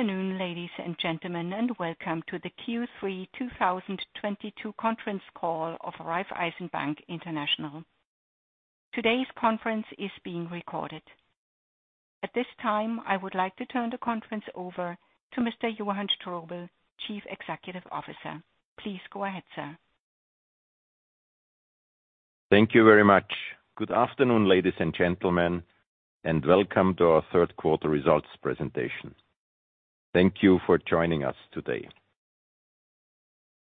Good afternoon, ladies and gentlemen, and welcome to the Q3 2022 conference call of Raiffeisen Bank International. Today's conference is being recorded. At this time, I would like to turn the conference over to Mr. Johann Strobl, Chief Executive Officer. Please go ahead, sir. Thank you very much. Good afternoon, ladies and gentlemen, and welcome to our third quarter results presentation. Thank you for joining us today.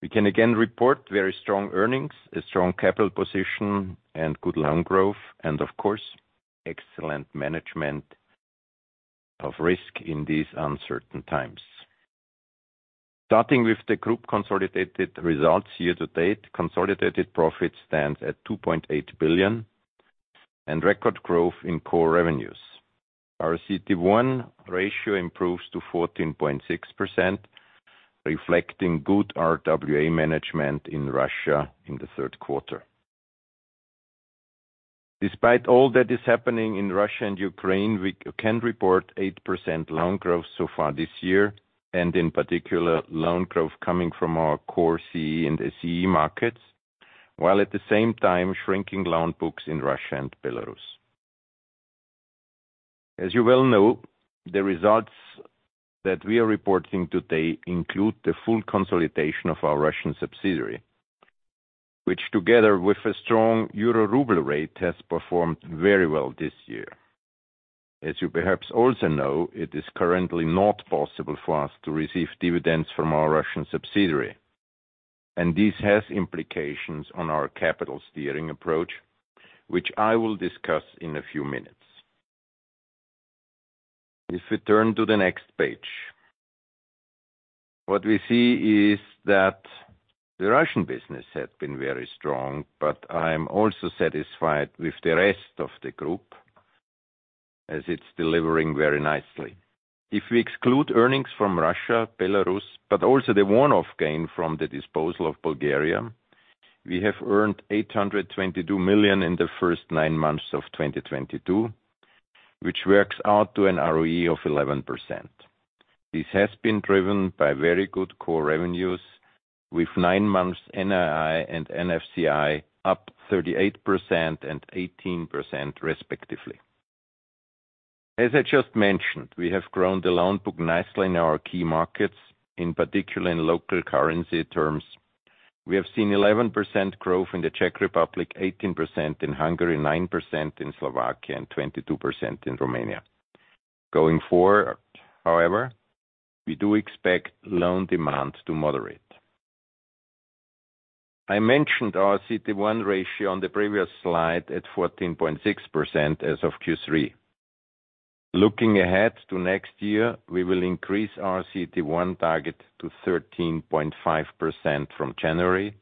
We can again report very strong earnings, a strong capital position, and good loan growth, and of course, excellent management of risk in these uncertain times. Starting with the group consolidated results year to date, consolidated profit stands at 2.8 billion and record growth in core revenues. Our CET1 ratio improves to 14.6%, reflecting good RWA management in Russia in the third quarter. Despite all that is happening in Russia and Ukraine, we can report 8% loan growth so far this year, and in particular, loan growth coming from our core CEE and SEE markets, while at the same time shrinking loan books in Russia and Belarus. As you well know, the results that we are reporting today include the full consolidation of our Russian subsidiary, which together with a strong Euro-ruble rate, has performed very well this year. As you perhaps also know, it is currently not possible for us to receive dividends from our Russian subsidiary, and this has implications on our capital steering approach, which I will discuss in a few minutes. If we turn to the next page, what we see is that the Russian business had been very strong, but I am also satisfied with the rest of the group as it's delivering very nicely. If we exclude earnings from Russia, Belarus, but also the one-off gain from the disposal of Bulgaria, we have earned 822 million in the first nine months of 2022, which works out to an ROE of 11%. This has been driven by very good core revenues, with nine months NII and NFCI up 38% and 18% respectively. As I just mentioned, we have grown the loan book nicely in our key markets, in particular in local currency terms. We have seen 11% growth in the Czech Republic, 18% in Hungary, 9% in Slovakia, and 22% in Romania. Going forward, however, we do expect loan demand to moderate. I mentioned our CET1 ratio on the previous slide at 14.6% as of Q3. Looking ahead to next year, we will increase our CET1 target to 13.5% from January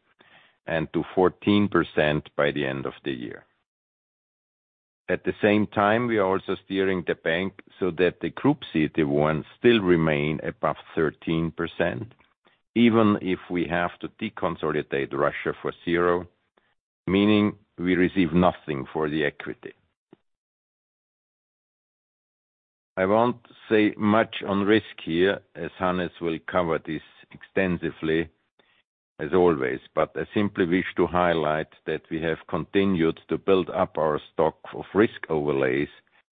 and to 14% by the end of the year. At the same time, we are also steering the bank so that the group CET1 still remain above 13%, even if we have to deconsolidate Russia for zero, meaning we receive nothing for the equity. I won't say much on risk here, as Hannes will cover this extensively as always, but I simply wish to highlight that we have continued to build up our stock of risk overlays,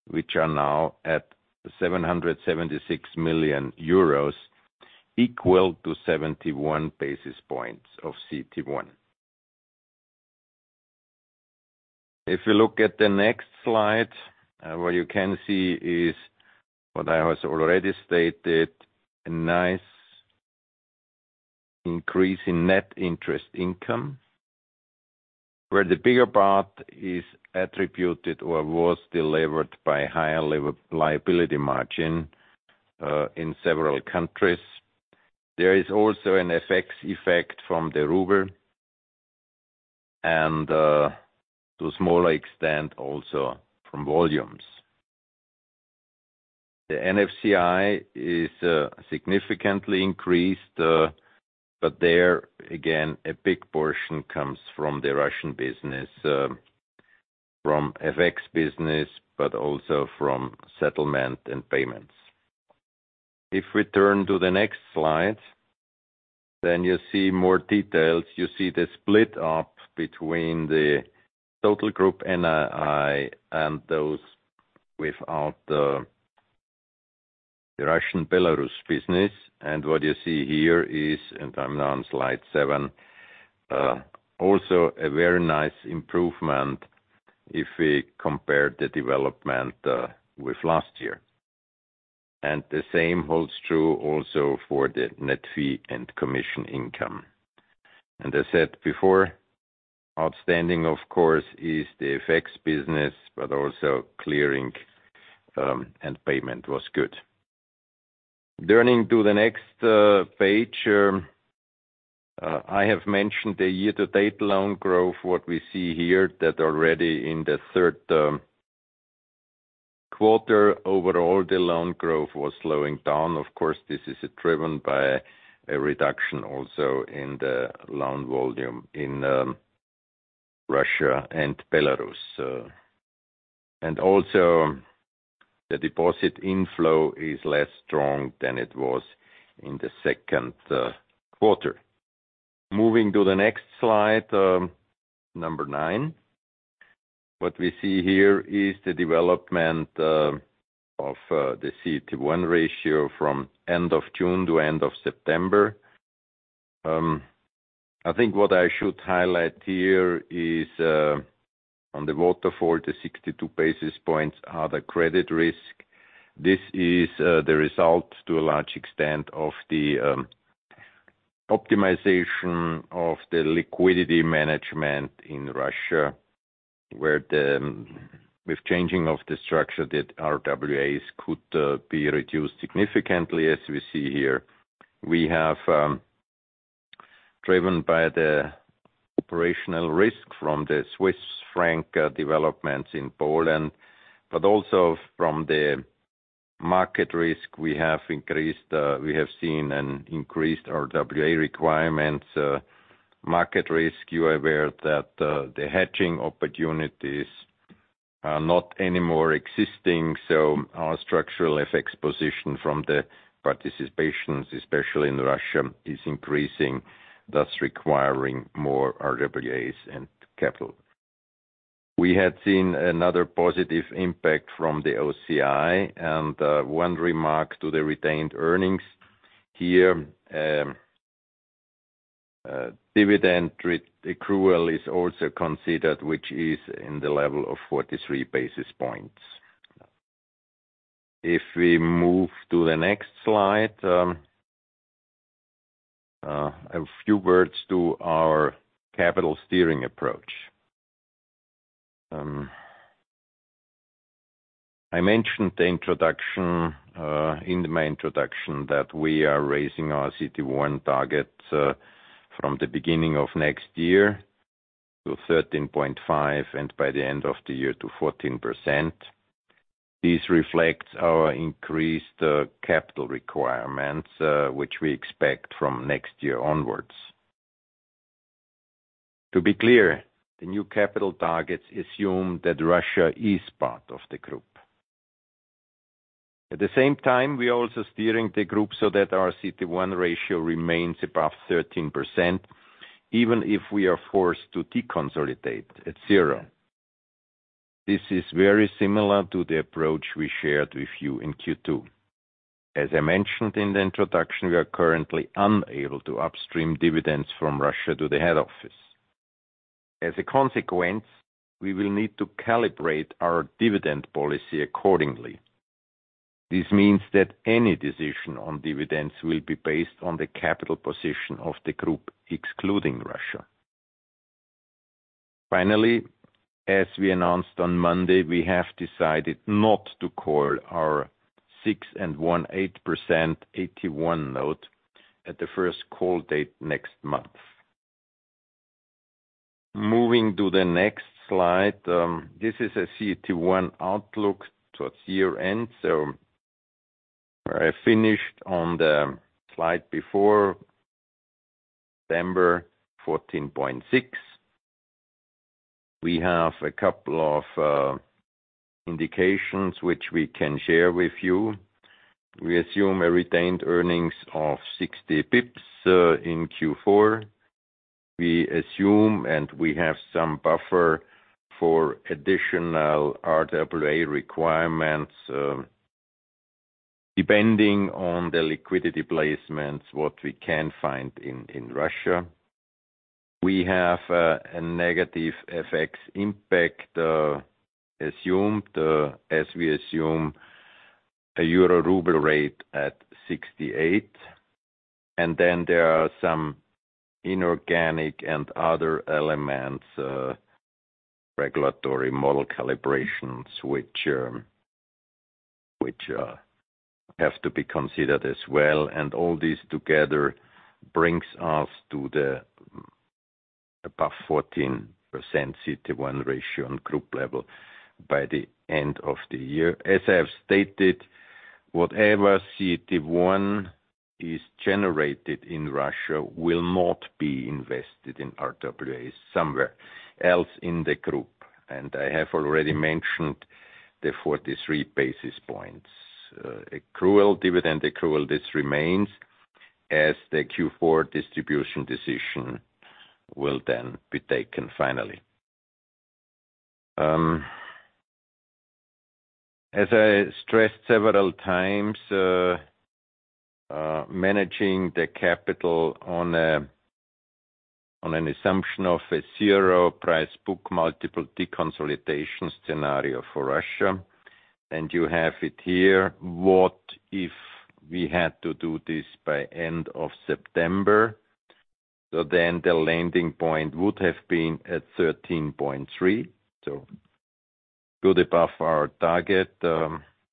which are now at 776 million euros, equal to 71 basis points of CET1. If you look at the next slide, what you can see is what I was already stated, a nice increase in net interest income, where the bigger part is attributed or was delivered by higher level liability margin in several countries. There is also an FX effect from the ruble and, to a smaller extent also from volumes. The NFCI is significantly increased, but there again, a big portion comes from the Russian business, from FX business, but also from settlement and payments. If we turn to the next slide, then you see more details. You see the split up between the total group NII and those without the Russian-Belarus business. What you see here is, and I'm now on slide seven, also a very nice improvement if we compare the development with last year. The same holds true also for the net fee and commission income. I said before, outstanding, of course, is the FX business, but also clearing, and payment was good. Turning to the next page, I have mentioned the year-to-date loan growth. What we see here that already in the third quarter overall, the loan growth was slowing down. Of course, this is driven by a reduction also in the loan volume in Russia and Belarus. The deposit inflow is less strong than it was in the second quarter. Moving to the next slide, number nine. What we see here is the development of the CET1 ratio from end of June to end of September. I think what I should highlight here is on the waterfall, the 62 basis points are the credit risk. This is the result, to a large extent, of the optimization of the liquidity management in Russia, where with changing of the structure that RWAs could be reduced significantly, as we see here. We have driven by the operational risk from the Swiss franc developments in Poland, but also from the market risk, we have seen an increased RWA requirements. Market risk, you are aware that the hedging opportunities are no longer existing, so our structural FX position from the participations, especially in Russia, is increasing, thus requiring more RWAs and capital. We had seen another positive impact from the OCI and one remark to the retained earnings. Here, dividend re-accrual is also considered, which is in the level of 43 basis points. If we move to the next slide, a few words to our capital steering approach. I mentioned in my introduction that we are raising our CET1 target from the beginning of next year to 13.5%, and by the end of the year to 14%. This reflects our increased capital requirements, which we expect from next year onwards. To be clear, the new capital targets assume that Russia is part of the group. At the same time, we're also steering the group so that our CET1 ratio remains above 13%, even if we are forced to deconsolidate at zero. This is very similar to the approach we shared with you in Q2. As I mentioned in the introduction, we are currently unable to upstream dividends from Russia to the head office. As a consequence, we will need to calibrate our dividend policy accordingly. This means that any decision on dividends will be based on the capital position of the group, excluding Russia. Finally, as we announced on Monday, we have decided not to call our 6.125% AT1 note at the first call date next month. Moving to the next slide, this is a CET1 outlook towards year-end, so where I finished on the slide before November, 14.6. We have a couple of indications which we can share with you. We assume a retained earnings of 60 basis points in Q4. We assume, and we have some buffer for additional RWA requirements, depending on the liquidity placements, what we can find in Russia. We have a negative FX impact, assumed, as we assume a Euro-ruble rate at 68. Then there are some inorganic and other elements, regulatory model calibrations, which have to be considered as well. All this together brings us to the above 14% CET1 ratio on group level by the end of the year. As I have stated, whatever CET1 is generated in Russia will not be invested in RWAs somewhere else in the group. I have already mentioned the 43 basis points accrual, dividend accrual. This remains as the Q4 distribution decision will then be taken finally. As I stressed several times, managing the capital on an assumption of a zero price book multiple deconsolidation scenario for Russia, and you have it here. What if we had to do this by end of September? Then the landing point would have been at 13.3, so good above our target.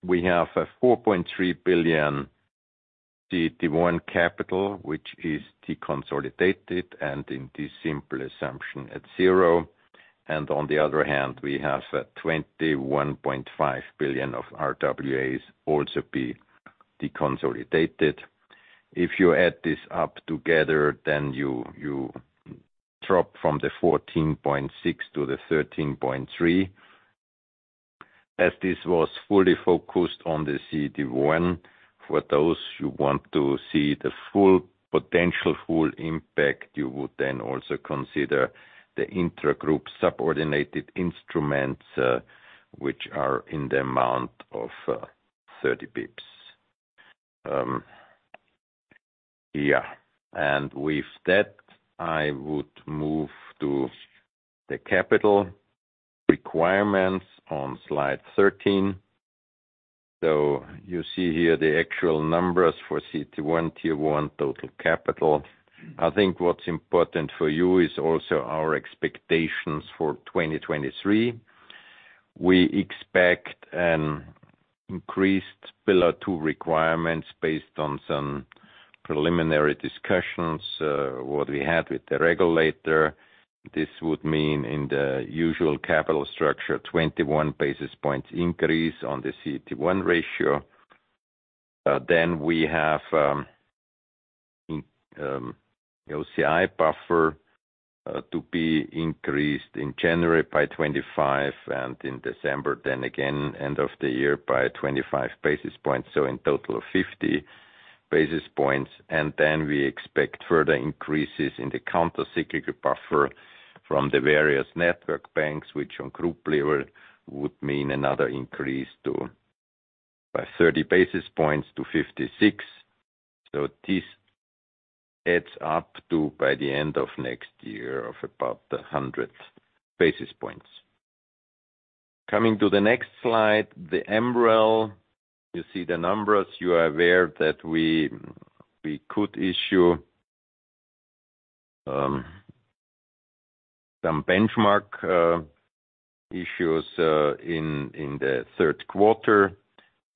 We have 4.3 billion CET1 capital, which is deconsolidated and in this simple assumption at zero. On the other hand, we have 21.5 billion of RWAs also be deconsolidated. If you add this up together, you drop from the 14.6 to the 13.3. As this was fully focused on the CET1, for those who want to see the full potential, full impact, you would then also consider the intra-group subordinated instruments, which are in the amount of 30 bps. With that, I would move to the capital requirements on slide 13. You see here the actual numbers for CET1, Tier 1, total capital. I think what's important for you is also our expectations for 2023. We expect an increased Pillar 2 requirement based on some preliminary discussions we had with the regulator. This would mean in the usual capital structure, 21 basis points increase on the CET1 ratio. Then we have in OCI buffer to be increased in January by 25 and in December then again, end of the year, by 25 basis points, so in total of 50 basis points. Then we expect further increases in the countercyclical buffer from the various network banks, which on group level would mean another increase to by 30 basis points to 56. This adds up to by the end of next year of about 100 basis points. Coming to the next slide, the MREL, you see the numbers. You are aware that we could issue some benchmark issues in the third quarter.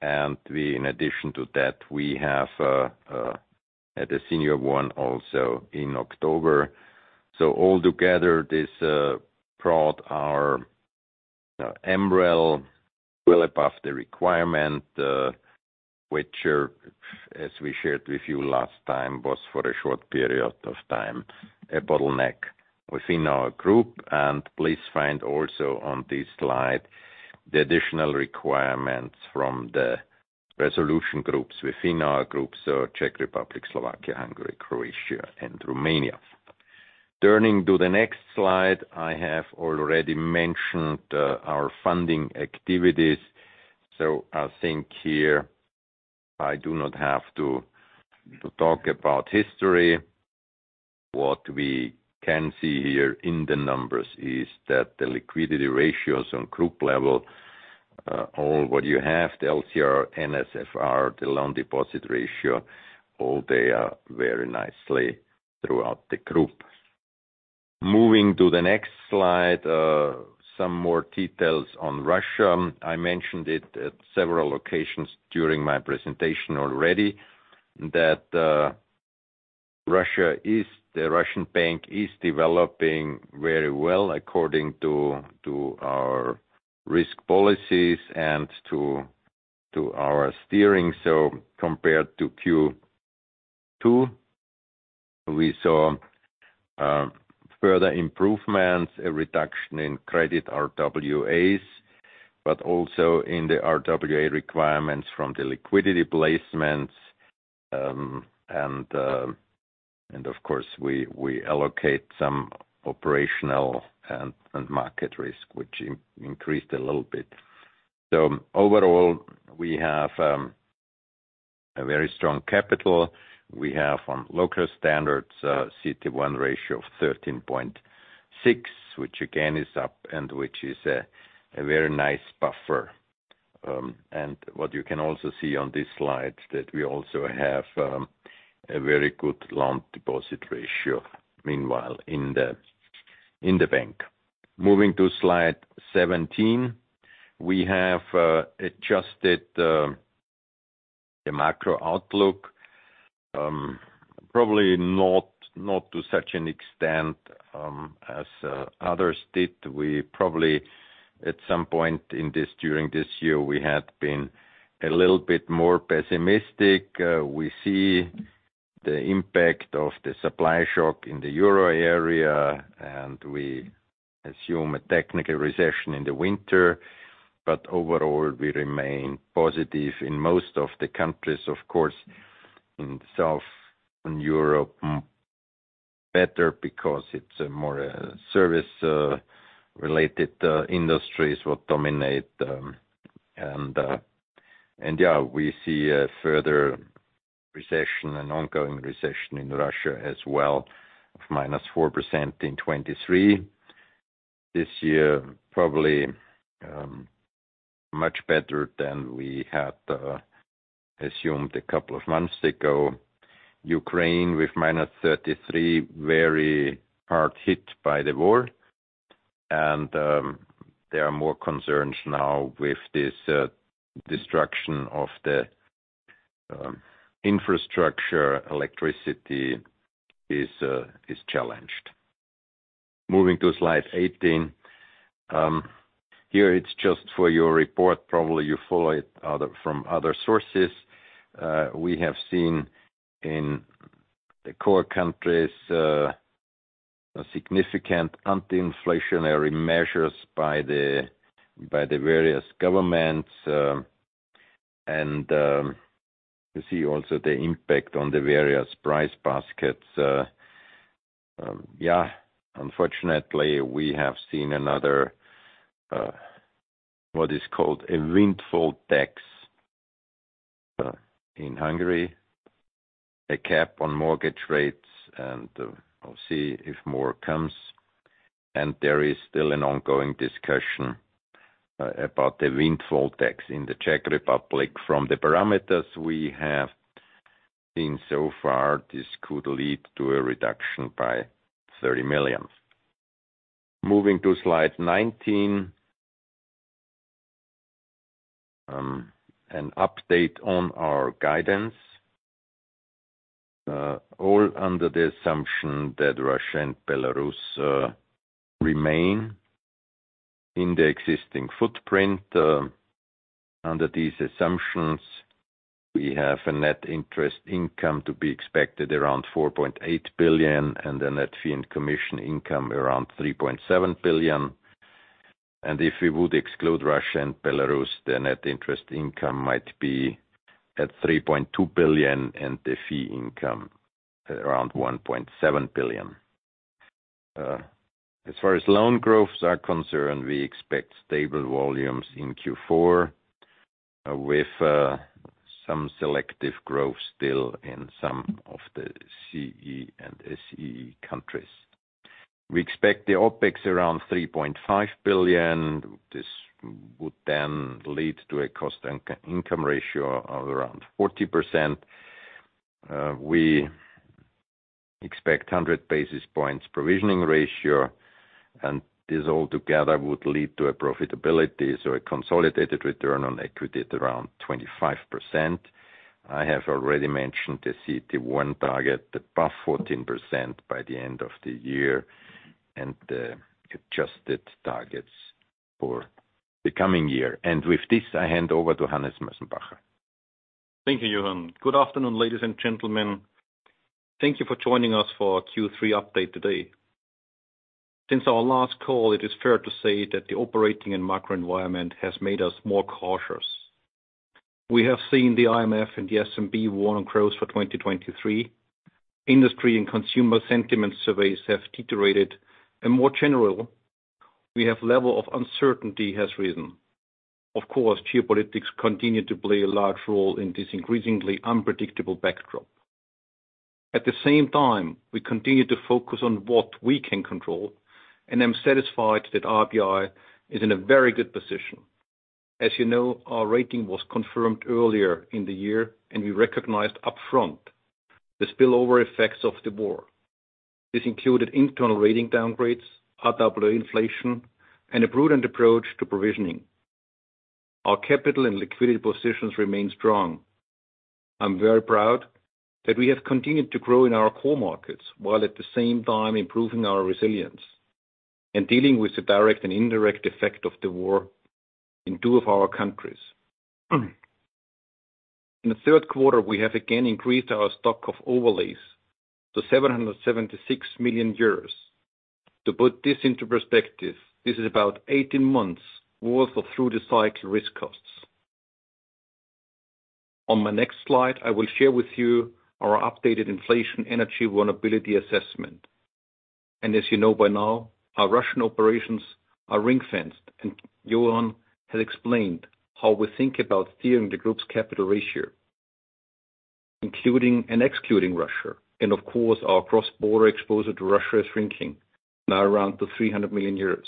In addition to that, we have at the senior one also in October. All together, this brought our MREL well above the requirement, which are, as we shared with you last time, was for a short period of time, a bottleneck within our group. Please find also on this slide the additional requirements from the resolution groups within our group, so Czech Republic, Slovakia, Hungary, Croatia, and Romania. Turning to the next slide, I have already mentioned our funding activities, so I think here I do not have to to talk about history. What we can see here in the numbers is that the liquidity ratios on group level, all what you have, the LCR, NSFR, the loan deposit ratio, all they are very nicely throughout the group. Moving to the next slide, some more details on Russia. I mentioned it at several occasions during my presentation already, that the Russian bank is developing very well according to our risk policies and to our steering. Compared to Q2, we saw further improvements, a reduction in credit RWAs, but also in the RWA requirements from the liquidity placements. And of course, we allocate some operational and market risk, which increased a little bit. Overall, we have a very strong capital. We have on local standards a CET1 ratio of 13.6, which again is up and which is a very nice buffer. And what you can also see on this slide, that we also have a very good loan deposit ratio meanwhile in the bank. Moving to slide 17, we have adjusted the macro outlook. Probably not to such an extent, as others did. We probably, at some point in this, during this year, we had been a little bit more pessimistic. We see the impact of the supply shock in the Euro area, and we assume a technical recession in the winter. Overall, we remain positive in most of the countries. Of course, in the South, in Europe, better becaus e it's a more service related industries what dominate. Yeah, we see a further recession and ongoing recession in Russia as well of -4% in 2023. This year, probably, much better than we had assumed a couple of months ago. Ukraine with -33%, very hard hit by the war, and there are more concerns now with this destruction of the infrastructure, electricity is challenged. Moving to slide 18. Here it's just for your report, probably you follow it from other sources. We have seen in the core countries a significant anti-inflationary measures by the various governments. You see also the impact on the various price baskets. Unfortunately, we have seen another what is called a windfall tax in Hungary, a cap on mortgage rates, and we'll see if more comes. There is still an ongoing discussion about the windfall tax in the Czech Republic. From the parameters we have seen so far, this could lead to a reduction by 30 million. Moving to slide 19. An update on our guidance, all under the assumption that Russia and Belarus remain in the existing footprint. Under these assumptions, we have a net interest income to be expected around 4.8 billion, and a net fee and commission income around 3.7 billion. If we would exclude Russia and Belarus, the net interest income might be at 3.2 billion, and the fee income at around 1.7 billion. As far as loan growths are concerned, we expect stable volumes in Q4 with some selective growth still in some of the CE and SEE countries. We expect the OpEx around 3.5 billion. This would then lead to a cost income ratio of around 40%. We expect 100 basis points provisioning ratio, and this all together would lead to a profitability. A consolidated return on equity at around 25%. I have already mentioned the CET1 target above 14% by the end of the year, and the adjusted targets for the coming year. With this, I hand over to Hannes Mosenbacher. Thank you, Johann. Good afternoon, ladies and gentlemen. Thank you for joining us for our Q3 update today. Since our last call, it is fair to say that the operating and macro environment has made us more cautious. We have seen the IMF and the S&P warn on growth for 2023. Industry and consumer sentiment surveys have deteriorated. More generally, the level of uncertainty has risen. Of course, geopolitics continue to play a large role in this increasingly unpredictable backdrop. At the same time, we continue to focus on what we can control, and I'm satisfied that RBI is in a very good position. As you know, our rating was confirmed earlier in the year, and we recognized upfront the spillover effects of the war. This included internal rating downgrades, high double-digit inflation, and a prudent approach to provisioning. Our capital and liquidity positions remain strong. I'm very proud that we have continued to grow in our core markets while at the same time improving our resilience and dealing with the direct and indirect effect of the war in two of our countries. In the third quarter, we have again increased our stock of overlays to 776 million euros. To put this into perspective, this is about 18 months worth of through-the-cycle risk costs. On my next slide, I will share with you our updated inflation energy vulnerability assessment. As you know by now, our Russian operations are ring-fenced, and Johann has explained how we think about steering the group's capital ratio, including and excluding Russia. Of course, our cross-border exposure to Russia is shrinking, now around 200 million euros.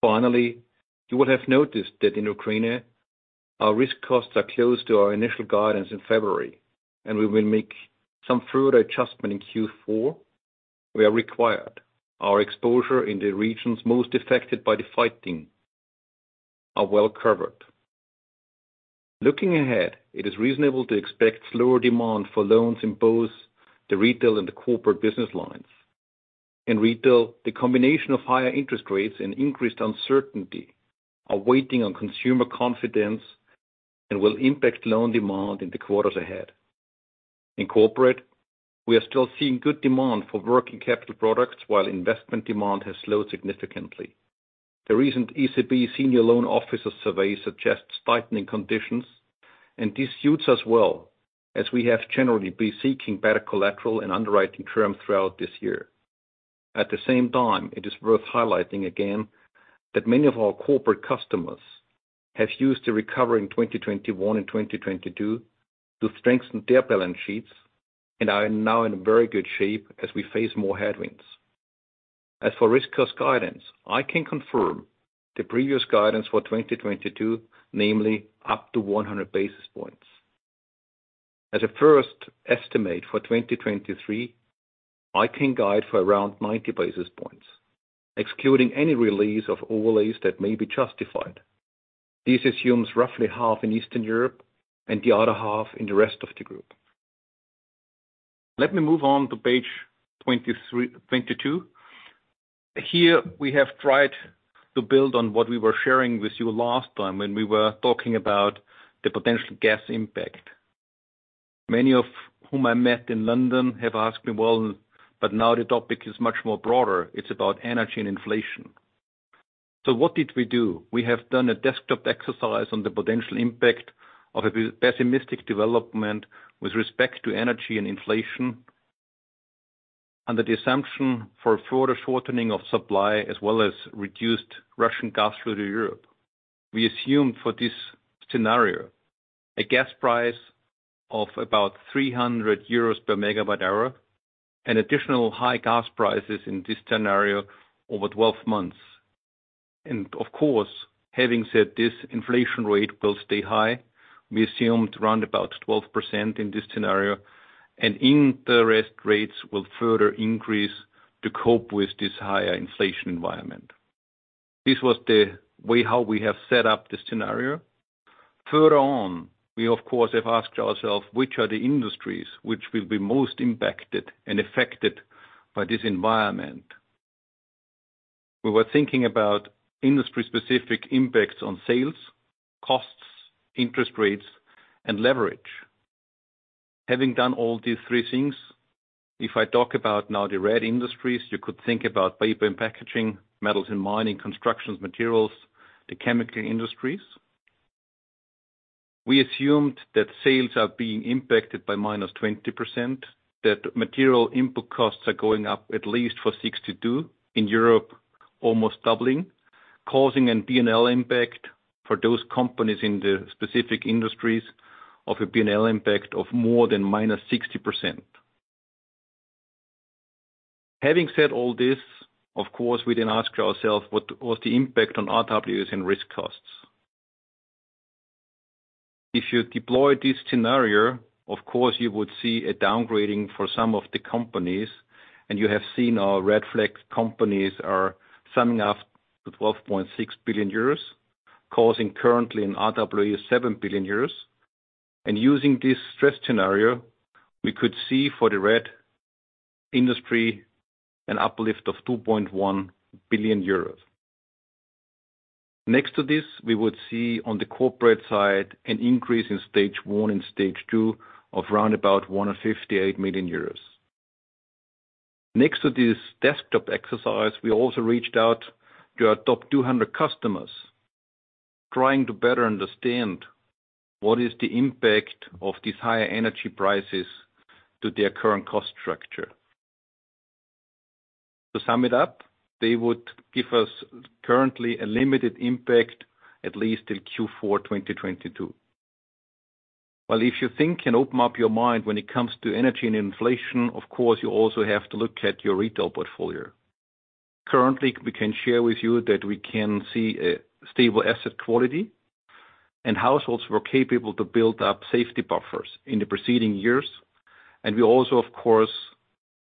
Finally, you will have noticed that in Ukraine, our risk costs are close to our initial guidance in February, and we will make some further adjustment in Q4 where required. Our exposure in the regions most affected by the fighting are well covered. Looking ahead, it is reasonable to expect slower demand for loans in both the retail and the corporate business lines. In retail, the combination of higher interest rates and increased uncertainty is weighing on consumer confidence and will impact loan demand in the quarters ahead. In corporate, we are still seeing good demand for working capital products while investment demand has slowed significantly. The recent ECB Senior Loan Officer survey suggests tightening conditions, and this suits us well as we have generally been seeking better collateral and underwriting terms throughout this year. At the same time, it is worth highlighting again that many of our corporate customers have used the recovery in 2021 and 2022 to strengthen their balance sheets and are now in very good shape as we face more headwinds. As for risk cost guidance, I can confirm the previous guidance for 2022, namely up to 100 basis points. As a first estimate for 2023, I can guide for around 90 basis points, excluding any release of overlays that may be justified. This assumes roughly half in Eastern Europe and the other half in the rest of the group. Let me move on to page 22. Here we have tried to build on what we were sharing with you last time when we were talking about the potential gas impact. Many of whom I met in London have asked me, "Well, but now the topic is much more broader. It's about energy and inflation." What did we do? We have done a desktop exercise on the potential impact of a pessimistic development with respect to energy and inflation under the assumption for further shortening of supply as well as reduced Russian gas flow to Europe. We assume for this scenario a gas price of about 300 euros per MWh, and additional high gas prices in this scenario over 12 months. Of course, having said this inflation rate will stay high, we assumed around about 12% in this scenario, and interest rates will further increase to cope with this higher inflation environment. This was the way how we have set up the scenario. Further on, we of course have asked ourselves which are the industries which will be most impacted and affected by this environment? We were thinking about industry specific impacts on sales, costs, interest rates, and leverage. Having done all these three things, if I talk about now the red industries, you could think about paper and packaging, metals and mining, construction materials, the chemical industries. We assumed that sales are being impacted by minus 20%. That material input costs are going up, at least by 60-200. In Europe, almost doubling, causing a P&L impact for those companies in the specific industries of a P&L impact of more than minus 60%. Having said all this, of course, we then ask ourselves what was the impact on RWAs and risk costs? If you deploy this scenario, of course you would see a downgrading for some of the companies, and you have seen our red flag companies are summing up to 12.6 billion euros, causing currently in RBI 7 billion euros. Using this stress scenario, we could see for the red industry an uplift of 2.1 billion euros. Next to this, we would see on the corporate side an increase in Stage one and Stage two of around about 158 million euros. Next to this desktop exercise, we also reached out to our top 200 customers, trying to better understand what is the impact of these higher energy prices to their current cost structure. To sum it up, they would give us currently a limited impact, at least till Q4 2022. Well, if you think and open up your mind when it comes to energy and inflation, of course, you also have to look at your retail portfolio. Currently, we can share with you that we can see a stable asset quality and households were capable to build up safety buffers in the preceding years. We also, of course,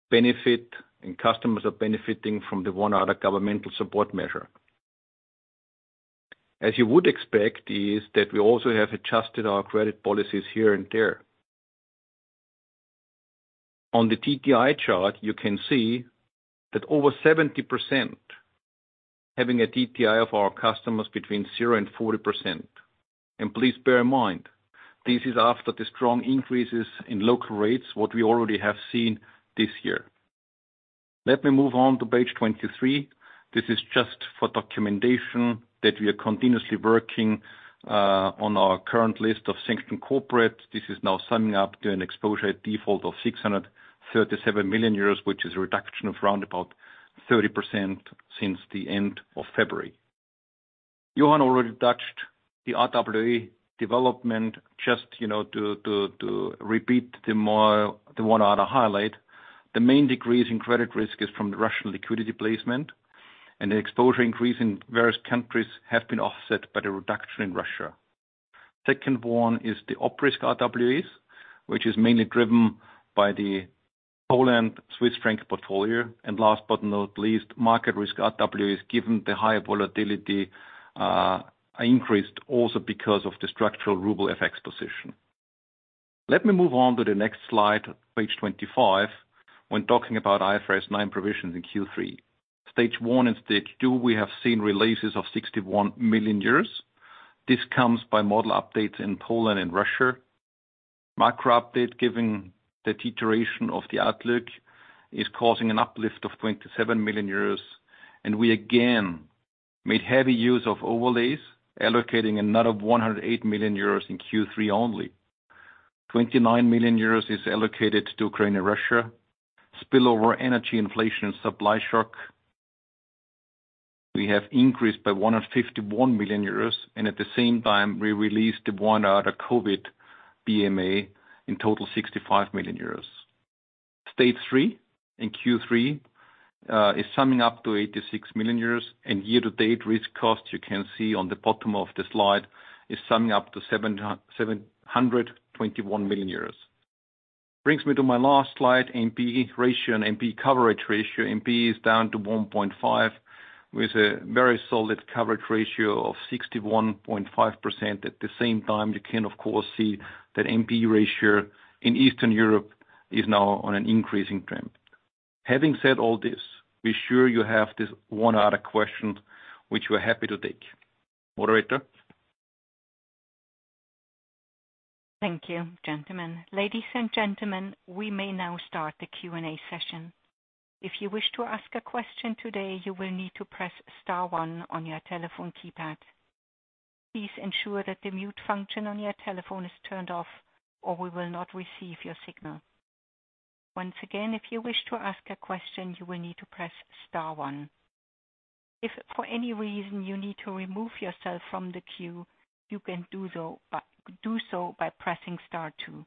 benefit and customers are benefiting from the one other governmental support measure. As you would expect, is that we also have adjusted our credit policies here and there. On the DTI chart, you can see that over 70% having a DTI of our customers between 0% and 40%. Please bear in mind, this is after the strong increases in local rates, what we already have seen this year. Let me move on to page 23. This is just for documentation that we are continuously working on our current list of sanctioned corporate. This is now summing up to an exposure at default of 637 million euros, which is a reduction of around about 30% since the end of February. Johann already touched the RWA development. Just, you know, to repeat the one other highlight. The main decrease in credit risk is from the Russian liquidity placement, and the exposure increase in various countries have been offset by the reduction in Russia. Second one is the op risk RWA, which is mainly driven by the Poland Swiss franc portfolio. Last but not least, market risk RWA is given the higher volatility, increased also because of the structural ruble FX position. Let me move on to the next slide, page 25, when talking about IFRS 9 provisions in Q3. Stage one and Stage two, we have seen releases of 61 million euros. This comes from model updates in Poland and Russia. Macro update, given the deterioration of the outlook, is causing an uplift of 27 million euros. We again made heavy use of overlays, allocating another 108 million euros in Q3 only. 29 million euros is allocated to Ukraine and Russia. Spillover from energy inflation and supply shock, we have increased by 151 million euros, and at the same time we released the unwind of COVID PMA in total 65 million euros. Stage three in Q3 is summing up to 86 million euros. Year to date risk costs, you can see on the bottom of the slide, is summing up to 721 million euros. Brings me to my last slide, NPE ratio and NPE coverage ratio. NPE is down to 1.5, with a very solid coverage ratio of 61.5%. At the same time, you can of course see that NPE ratio in Eastern Europe is now on an increasing trend. Having said all this, we're sure you have this one other question which we're happy to take. Moderator. Thank you, gentlemen. Ladies and gentlemen, we may now start the Q&A session. If you wish to ask a question today, you will need to press star one on your telephone keypad. Please ensure that the mute function on your telephone is turned off or we will not receive your signal. Once again, if you wish to ask a question, you will need to press star one. If for any reason you need to remove yourself from the queue, you can do so by pressing star two.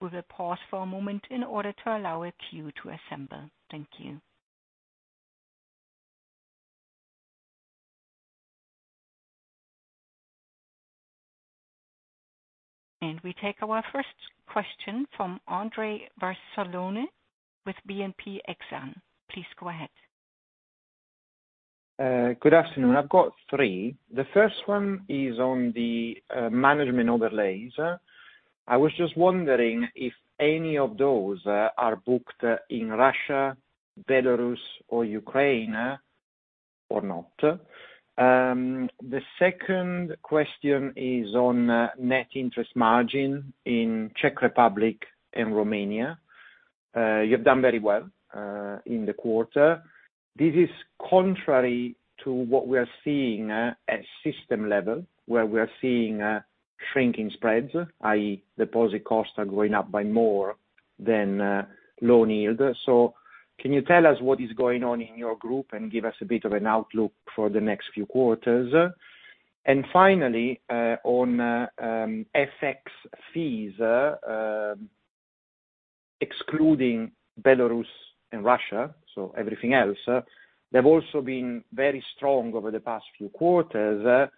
We will pause for a moment in order to allow a queue to assemble. Thank you. We take our first question from Andrea Vercellone with BNP Exane. Please go ahead. Good afternoon. I've got three. The first one is on the management overlays. I was just wondering if any of those are booked in Russia, Belarus, or Ukraine or not. The second question is on net interest margin in Czech Republic and Romania. You have done very well in the quarter. This is contrary to what we're seeing at system level, where we're seeing shrinking spreads, i.e. deposit costs are going up by more than loan yield. So can you tell us what is going on in your group and give us a bit of an outlook for the next few quarters? Finally, on FX fees, excluding Belarus and Russia, so everything else, they've also been very strong over the past few quarters.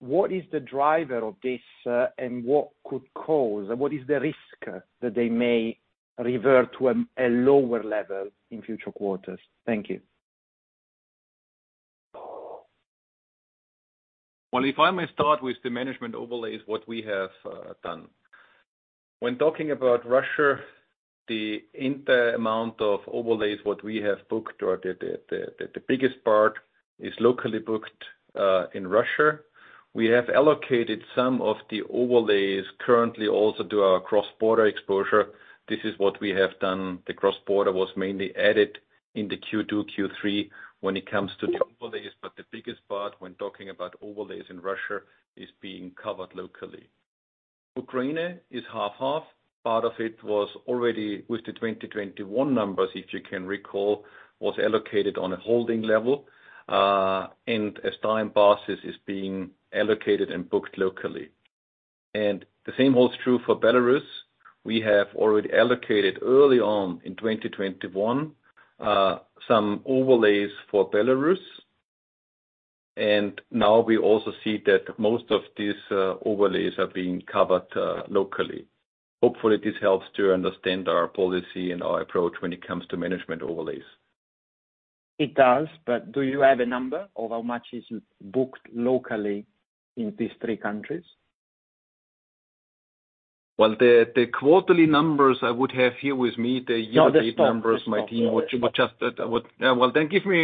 What is the driver of this, and what is the risk that they may revert to a lower level in future quarters? Thank you. Well, if I may start with the management overlays, what we have done. When talking about Russia, the entire amount of overlays, what we have booked or the biggest part is locally booked in Russia. We have allocated some of the overlays currently also to our cross-border exposure. This is what we have done. The cross-border was mainly added in the Q2, Q3 when it comes to the overlays. But the biggest part when talking about overlays in Russia is being covered locally. Ukraine is half half. Part of it was already with the 2021 numbers, if you can recall, was allocated on a holding level, and as time passes, is being allocated and booked locally. The same holds true for Belarus. We have already allocated early on in 2021 some overlays for Belarus, and now we also see that most of these overlays are being covered locally. Hopefully, this helps to understand our policy and our approach when it comes to management overlays. It does, but do you have a number of how much is booked locally in these three countries? Well, the quarterly numbers I would have here with me, the year-to-date. No, the stock. Yeah.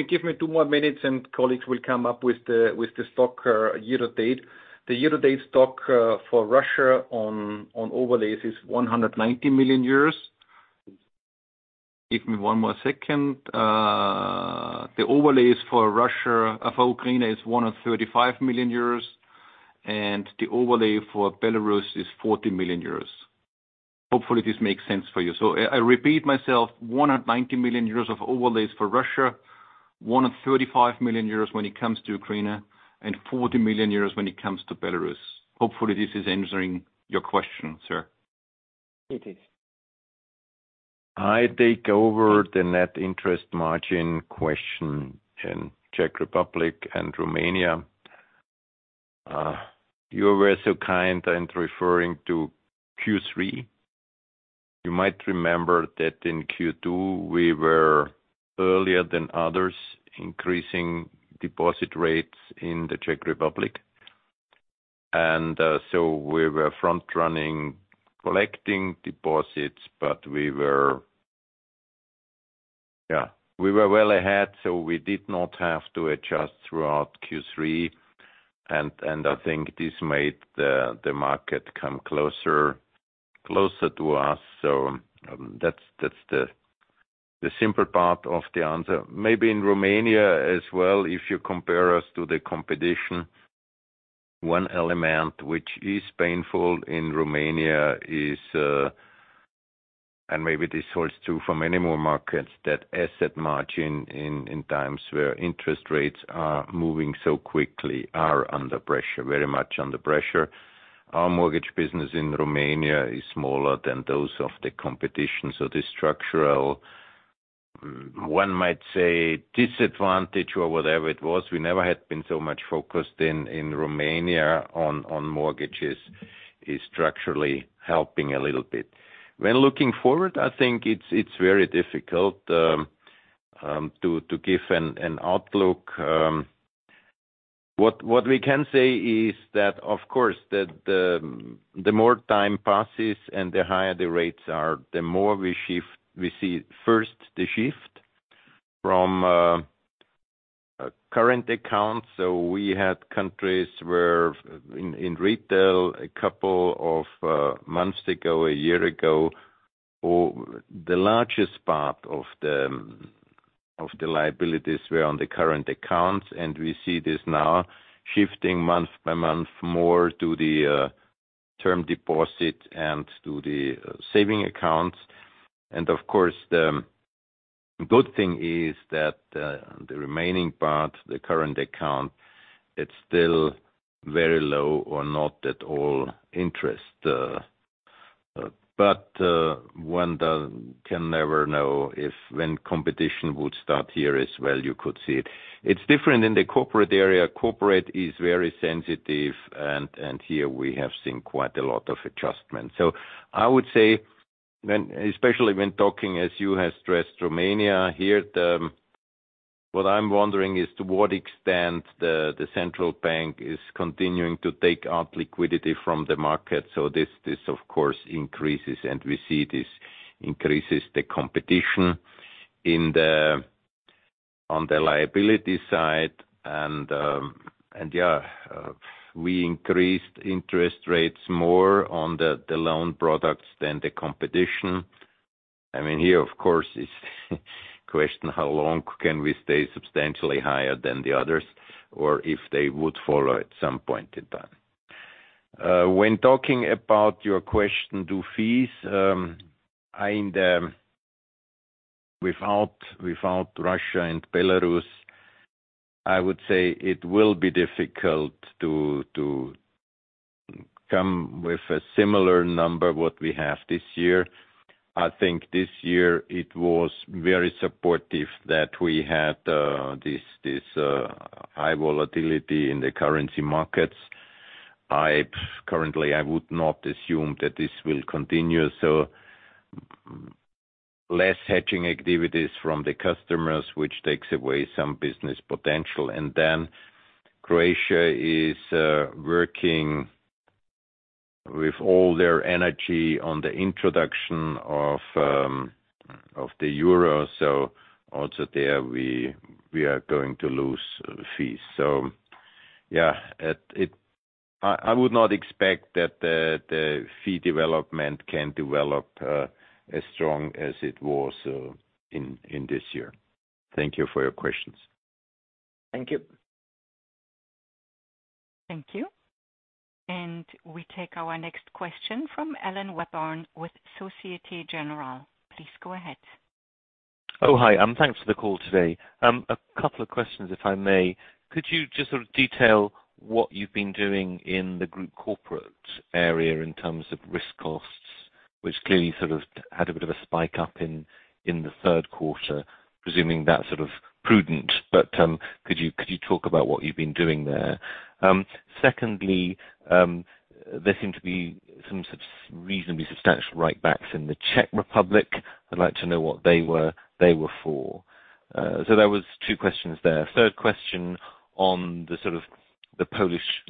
Give me two more minutes and colleagues will come up with the stock year to date. The year-to-date stock for Russia on overlays is 190 million euros. Give me one more second. The overlays for Russia for Ukraine is 135 million euros, and the overlay for Belarus is 40 million euros. Hopefully, this makes sense for you. I repeat myself, 190 million euros of overlays for Russia, 135 million euros when it comes to Ukraine, and 40 million euros when it comes to Belarus. Hopefully, this is answering your question, sir. It is. I take over the net interest margin question in Czech Republic and Romania. You were so kind in referring to Q3. You might remember that in Q2 we were earlier than others increasing deposit rates in the Czech Republic. We were front-running collecting deposits, but we were well ahead, so we did not have to adjust throughout Q3. I think this made the market come closer to us. That's the simple part of the answer. Maybe in Romania as well, if you compare us to the competition, one element which is painful in Romania is, and maybe this holds true for many more markets, that asset margin in times where interest rates are moving so quickly are under pressure, very much under pressure. Our mortgage business in Romania is smaller than those of the competition. The structural one might say disadvantage or whatever it was, we never had been so much focused in Romania on mortgages is structurally helping a little bit. When looking forward, I think it's very difficult to give an outlook. What we can say is that, of course, the more time passes and the higher the rates are, the more we shift. We see first the shift from current accounts. We had countries where in retail a couple of months ago, a year ago, or the largest part of the liabilities were on the current accounts. We see this now shifting month by month, more to the term deposit and to the savings accounts. Of course, the good thing is that the remaining part, the current account, it's still very low or not at all interest. One can never know if, when competition would start here as well, you could see it. It's different in the corporate area. Corporate is very sensitive and here we have seen quite a lot of adjustment. I would say. Especially when talking, as you have stressed, Romania. What I'm wondering is to what extent the central bank is continuing to take out liquidity from the market. This, of course, increases, and we see this increases the competition on the liability side. We increased interest rates more on the loan products than the competition. I mean, here of course is the question, how long can we stay substantially higher than the others or if they would follow at some point in time? When talking about your question on fees, without Russia and Belarus, I would say it will be difficult to come up with a similar number to what we have this year. I think this year it was very supportive that we had this high volatility in the currency markets. I currently would not assume that this will continue. So less hedging activities from the customers, which takes away some business potential. Croatia is working with all their energy on the introduction of the Euro. So also there we are going to lose fees. Yeah, it—I would not expect that the fee development can develop as strong as it was in this year. Thank you for your questions. Thank you. Thank you. We take our next question from Alan Webborn with Société Générale. Please go ahead. Oh, hi, thanks for the call today. A couple of questions, if I may. Could you just sort of detail what you've been doing in the group corporate area in terms of risk costs, which clearly sort of had a bit of a spike up in the third quarter, presuming that's sort of prudent. Could you talk about what you've been doing there? Secondly, there seemed to be some sort of reasonably substantial write-backs in the Czech Republic. I'd like to know what they were for. There was two questions there. Third question on the sort of the Polish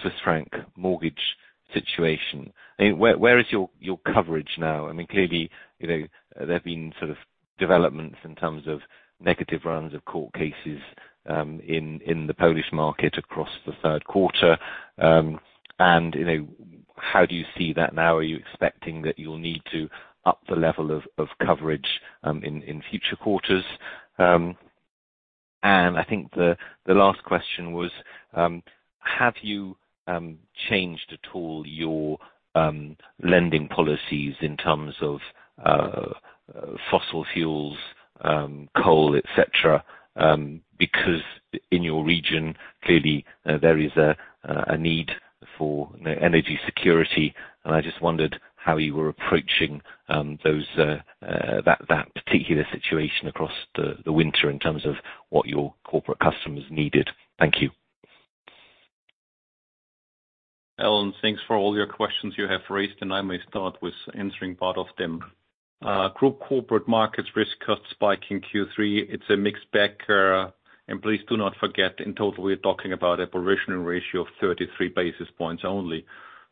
Swiss franc mortgage situation. I mean, where is your coverage now? I mean, clearly, you know, there have been sort of developments in terms of negative rounds of court cases in the Polish market across the third quarter. You know, how do you see that now? Are you expecting that you'll need to up the level of coverage in future quarters? I think the last question was, have you changed at all your lending policies in terms of fossil fuels, coal, et cetera? Because in your region, clearly there is a need for energy security. I just wondered how you were approaching that particular situation across the winter in terms of what your corporate customers needed. Thank you. Alan Webborn, thanks for all your questions you have raised, and I may start with answering part of them. Group corporate markets risk cost spike in Q3. It's a mixed bag, and please do not forget, in total, we're talking about a progression ratio of 33 basis points only.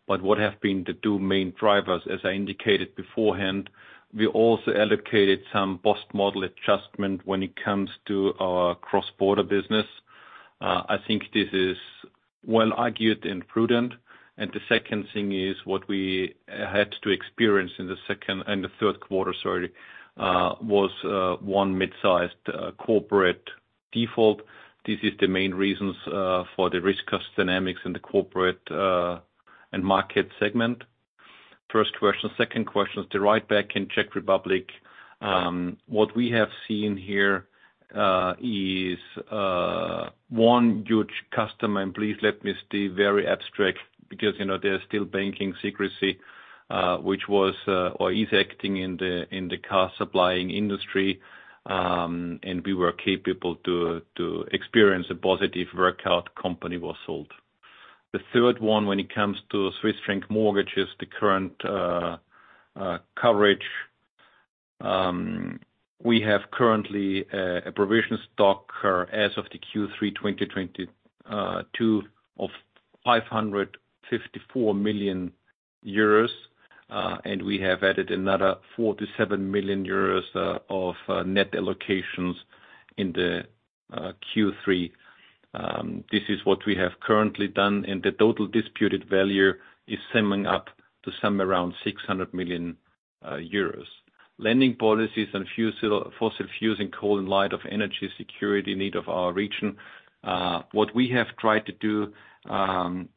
What have been the two main drivers? As I indicated beforehand, we also allocated some post-model adjustment when it comes to our cross-border business. I think this is well argued and prudent. The second thing is what we had to experience in the third quarter was 1 mid-sized corporate default. This is the main reasons for the risk cost dynamics in the corporate and market segment. First question. Second question is the write-back in Czech Republic. What we have seen here is one huge customer, and please let me stay very abstract because, you know, there's still banking secrecy, which was or is acting in the car supplying industry. We were capable to experience a positive workout. Company was sold. The third one, when it comes to Swiss franc mortgages, the current coverage, we have currently a provision stock as of Q3 2022 of 554 million euros, and we have added another 47 million euros of net allocations in the Q3. This is what we have currently done, and the total disputed value is summing up to some around 600 million euros. Lending policies and fossil fuels and coal in light of energy security need of our region. What we have tried to do is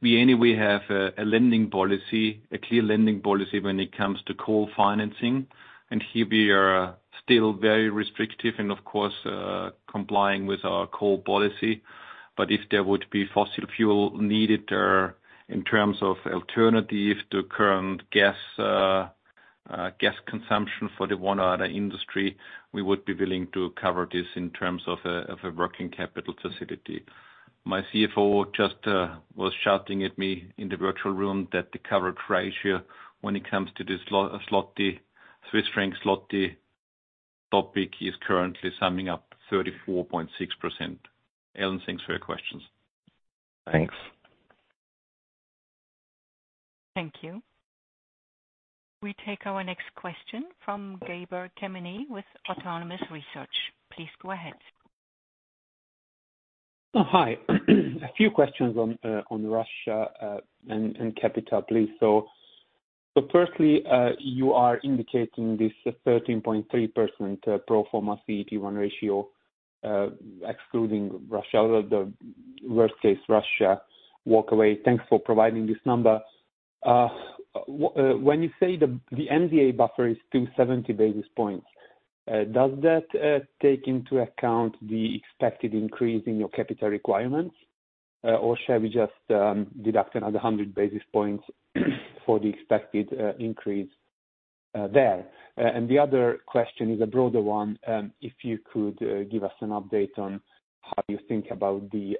we only have a lending policy, a clear lending policy when it comes to coal financing. Here we are still very restrictive and of course complying with our coal policy. If there would be fossil fuel needed or in terms of alternative to current gas consumption for the one other industry, we would be willing to cover this in terms of a working capital facility. My CFO just was shouting at me in the virtual room that the coverage ratio when it comes to this zloty, Swiss franc zloty topic, is currently summing up 34.6%. Alan, thanks for your questions. Thanks. Thank you. We take our next question from Gabor Kemeny with Autonomous Research. Please go ahead. Hi. A few questions on Russia and capital, please. Firstly, you are indicating this 13.3% pro forma CET1 ratio, excluding Russia, the worst case Russia walk away. Thanks for providing this number. When you say the MDA buffer is 270 basis points, does that take into account the expected increase in your capital requirements? Or shall we just deduct another 100 basis points for the expected increase there? The other question is a broader one. If you could give us an update on how you think about the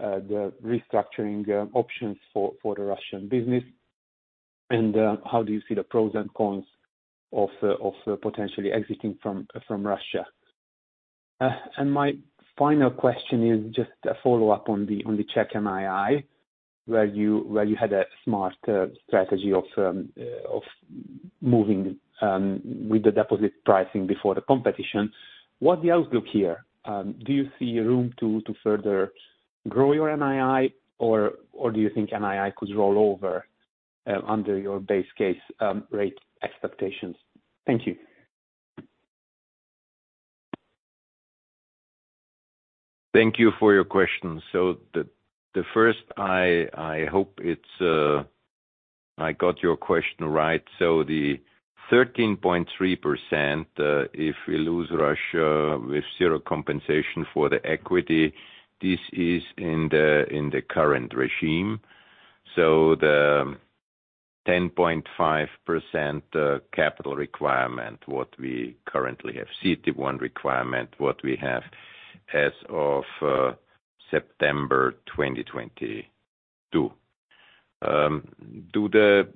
restructuring options for the Russian business and how do you see the pros and cons of potentially exiting from Russia? My final question is just a follow-up on the Czech NII, where you had a smart strategy of moving with the deposit pricing before the competition. What's the outlook here? Do you see room to further grow your NII or do you think NII could roll over under your base case rate expectations? Thank you. Thank you for your questions. I hope I got your question right. The 13.3%, if we lose Russia with zero compensation for the equity, this is in the current regime. The 10.5% capital requirement, what we currently have CET1 requirement, what we have as of September 2022. Regarding the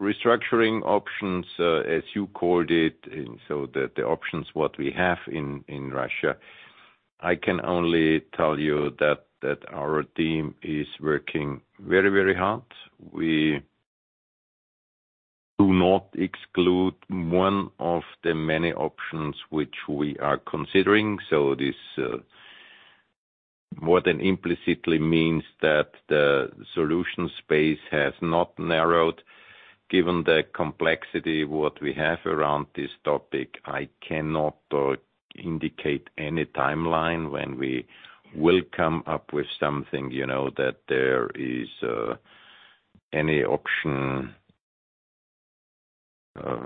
restructuring options, as you called it, the options what we have in Russia, I can only tell you that our team is working very hard. We do not exclude one of the many options which we are considering. This more than implicitly means that the solution space has not narrowed. Given the complexity what we have around this topic, I cannot indicate any timeline when we will come up with something. You know, that there is any option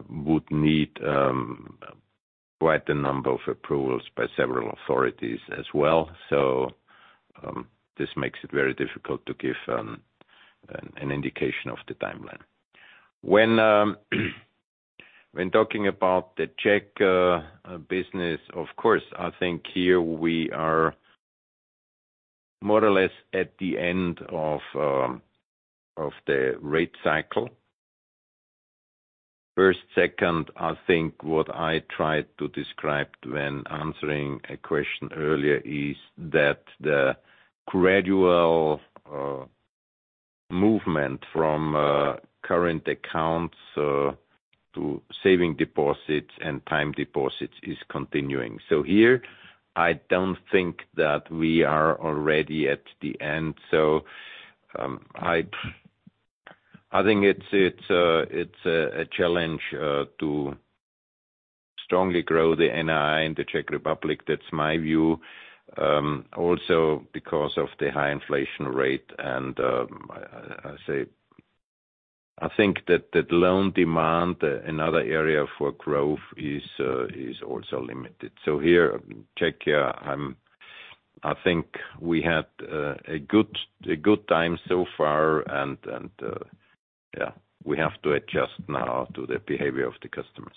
would need quite a number of approvals by several authorities as well. This makes it very difficult to give an indication of the timeline. When talking about the Czech business. Of course, I think here we are more or less at the end of the rate cycle. First, second, I think what I tried to describe when answering a question earlier is that the gradual movement from current accounts to saving deposits and time deposits is continuing. Here, I don't think that we are already at the end. I think it's a challenge to strongly grow the NII in the Czech Republic. That's my view. Also because of the high inflation rate and I think that the loan demand, another area for growth, is also limited. Here, Czechia, I think we had a good time so far. We have to adjust now to the behavior of the customers.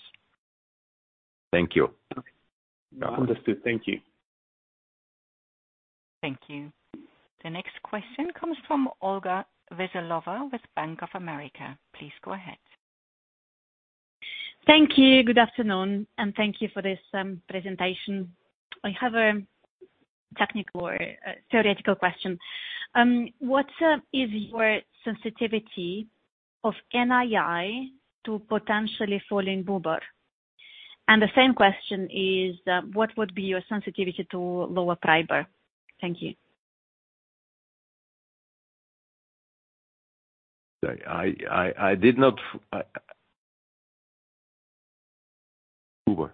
Thank you. Understood. Thank you. Thank you. The next question comes from Olga Veselova with Bank of America. Please go ahead. Thank you. Good afternoon, and thank you for this presentation. I have a technical or theoretical question. What is your sensitivity of NII to potentially falling BUBOR? The same question is what would be your sensitivity to lower PRIBOR? Thank you. BUBOR.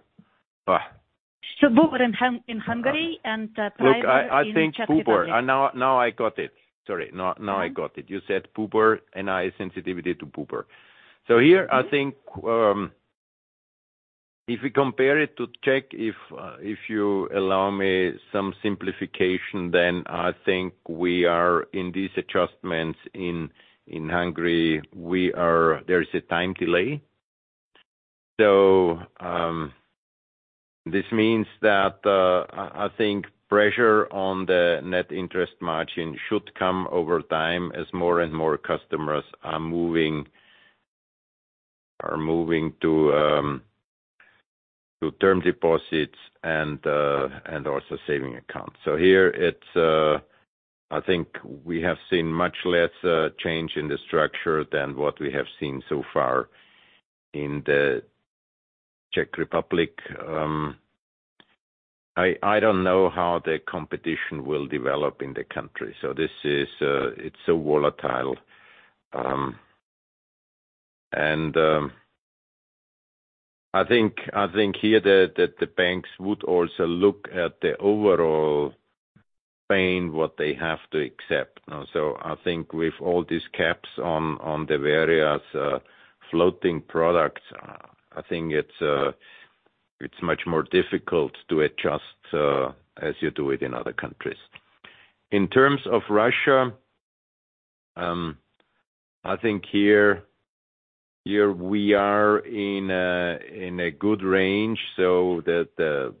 BUBOR in Hungary and PRIBOR in the Czech Republic. Look, I think BUBOR. Now I got it. Sorry. Now I got it. You said BUBOR, NII sensitivity to BUBOR. Here I think, if we compare it to Czech, if you allow me some simplification, then I think we are in these adjustments in Hungary. There is a time delay. This means that I think pressure on the net interest margin should come over time as more and more customers are moving to term deposits and also savings accounts. Here it's, I think we have seen much less change in the structure than what we have seen so far in the Czech Republic. I don't know how the competition will develop in the country. This is, it's so volatile, and I think here that the banks would also look at the overall pain, what they have to accept. I think with all these caps on the various floating products, I think it's much more difficult to adjust as you do it in other countries. In terms of Russia, I think here we are in a good range, so the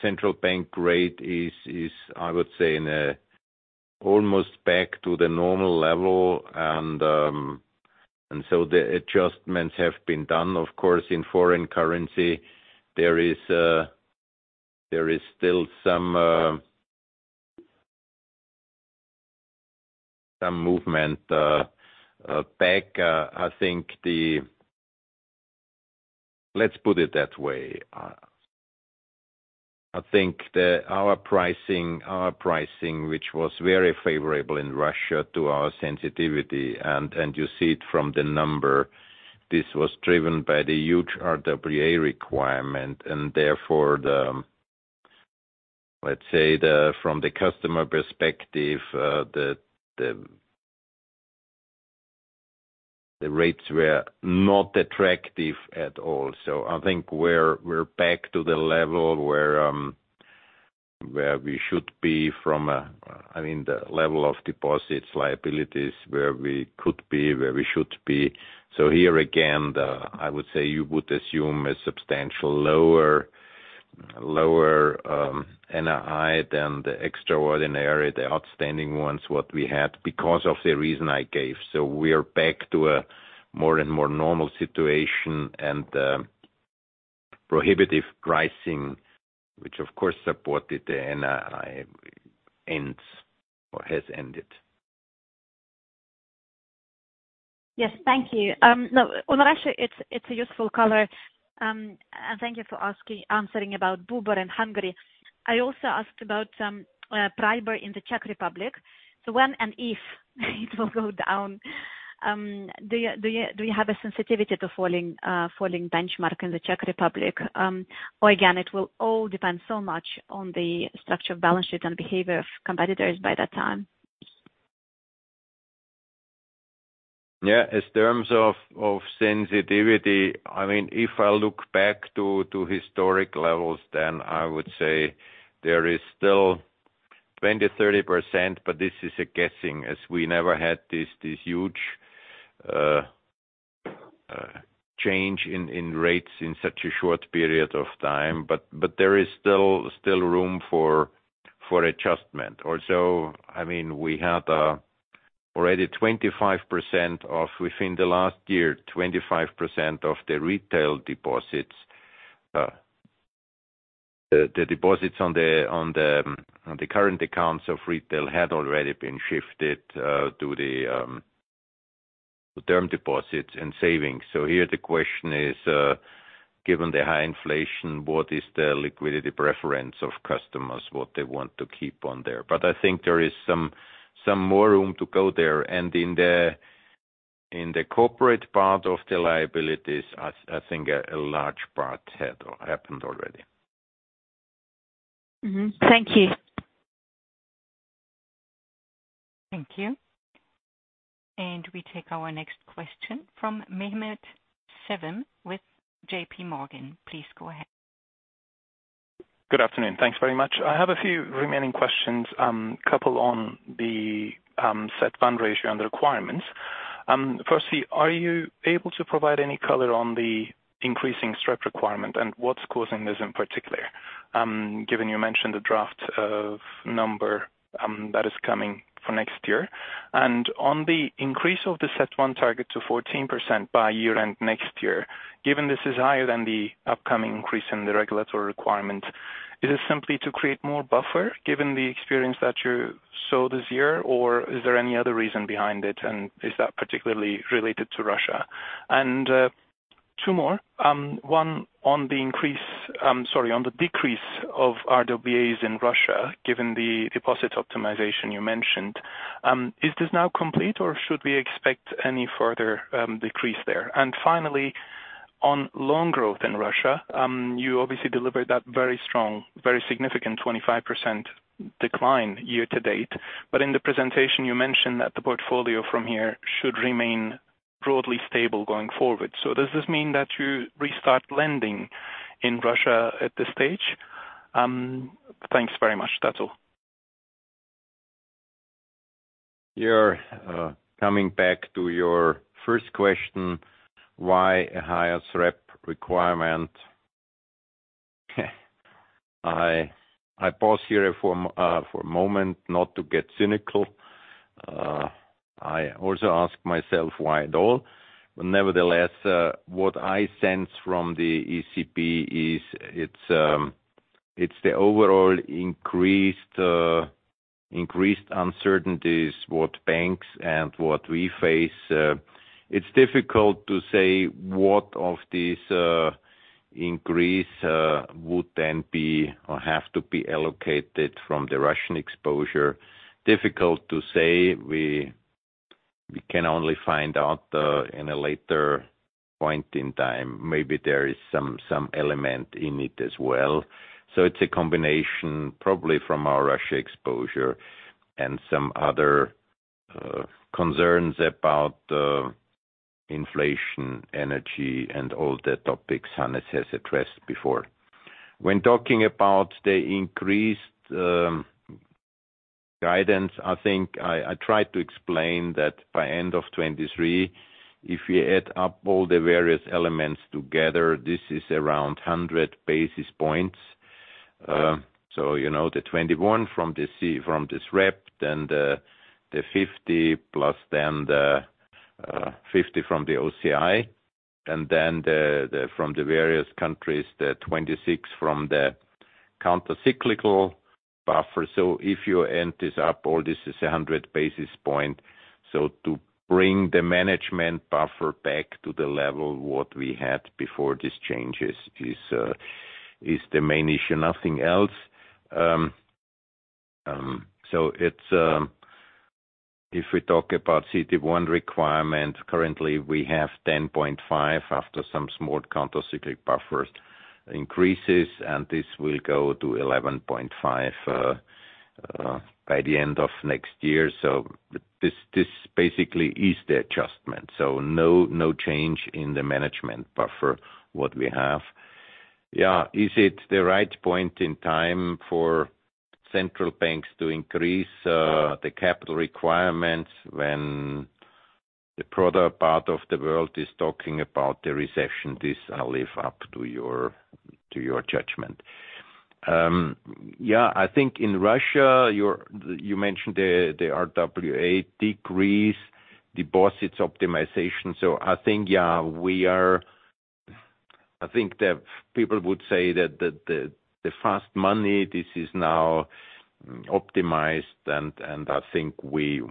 central bank rate is, I would say, almost back to the normal level. The adjustments have been done, of course, in foreign currency. There is still some movement back. Let's put it that way. I think our pricing, which was very favorable in Russia to our sensitivity, and you see it from the number. This was driven by the huge RWA requirement and therefore, from the customer perspective, the rates were not attractive at all. I think we're back to the level where we should be from a, I mean, the level of deposits, liabilities, where we could be, where we should be. Here again, I would say you would assume a substantially lower NII than the extraordinary, outstanding ones we had because of the reason I gave. We are back to a more and more normal situation and prohibitive pricing, which of course supported the NII and so has ended. Yes, thank you. No, on Russia, it's a useful color. Thank you for answering about BUBOR in Hungary. I also asked about PRIBOR in the Czech Republic. When and if it will go down, do you have a sensitivity to falling benchmark in the Czech Republic? Again, it will all depend so much on the structure of balance sheet and behavior of competitors by that time. Yeah. In terms of sensitivity, I mean, if I look back to historic levels, then I would say there is still 20%-30%, but this is a guessing as we never had this huge change in rates in such a short period of time. There is still room for adjustment. Also, I mean, we had already 25% of the retail deposits within the last year, the deposits on the current accounts of retail had already been shifted to the term deposits and savings. Here the question is, given the high inflation, what is the liquidity preference of customers, what they want to keep on there? I think there is some more room to go there. In the corporate part of the liabilities, I think a large part had happened already. Thank you. Thank you. We take our next question from Mehmet Sevim with JPMorgan. Please go ahead. Good afternoon. Thanks very much. I have a few remaining questions, couple on the CET1 ratio and the requirements. Firstly, are you able to provide any color on the increasing SREP requirement and what's causing this in particular, given you mentioned the draft of the new one that is coming for next year? On the increase of the CET1 target to 14% by year-end next year, given this is higher than the upcoming increase in the regulatory requirement, is it simply to create more buffer given the experience that you saw this year, or is there any other reason behind it, and is that particularly related to Russia? Two more. On the decrease of RWAs in Russia, given the deposit optimization you mentioned, is this now complete, or should we expect any further decrease there? Finally, on loan growth in Russia, you obviously delivered that very strong, very significant 25% decline year to date. In the presentation, you mentioned that the portfolio from here should remain broadly stable going forward. Does this mean that you restart lending in Russia at this stage? Thanks very much. That's all. You're coming back to your first question, why a higher SREP requirement? I pause here for a moment not to get cynical. I also ask myself why at all. Nevertheless, what I sense from the ECB is it's the overall increased uncertainties what banks and what we face. It's difficult to say what of this increase would then be or have to be allocated from the Russian exposure. Difficult to say. We can only find out in a later point in time. Maybe there is some element in it as well. It's a combination probably from our Russia exposure and some other concerns about inflation, energy and all the topics Hannes has addressed before. When talking about the increased guidance, I think I tried to explain that by end of 2023, if you add up all the various elements together, this is around 100 basis points. You know, the 21 from the SREP, then the 50 plus, then the 50 from the OCI, and then from the various countries, the 26 from the countercyclical buffer. If you add this up, all this is a 100 basis points. To bring the management buffer back to the level what we had before these changes is the main issue, nothing else. It's if we talk about CET1 requirement, currently we have 10.5% after some small countercyclical buffers increases, and this will go to 11.5% by the end of next year. This basically is the adjustment. No change in the management buffer what we have. Yeah. Is it the right point in time for central banks to increase the capital requirements when the broader part of the world is talking about the recession? This I leave up to your judgment. Yeah, I think in Russia, you mentioned the RWA decrease deposits optimization. I think, yeah, the people would say that the fast money, this is now optimized and I think we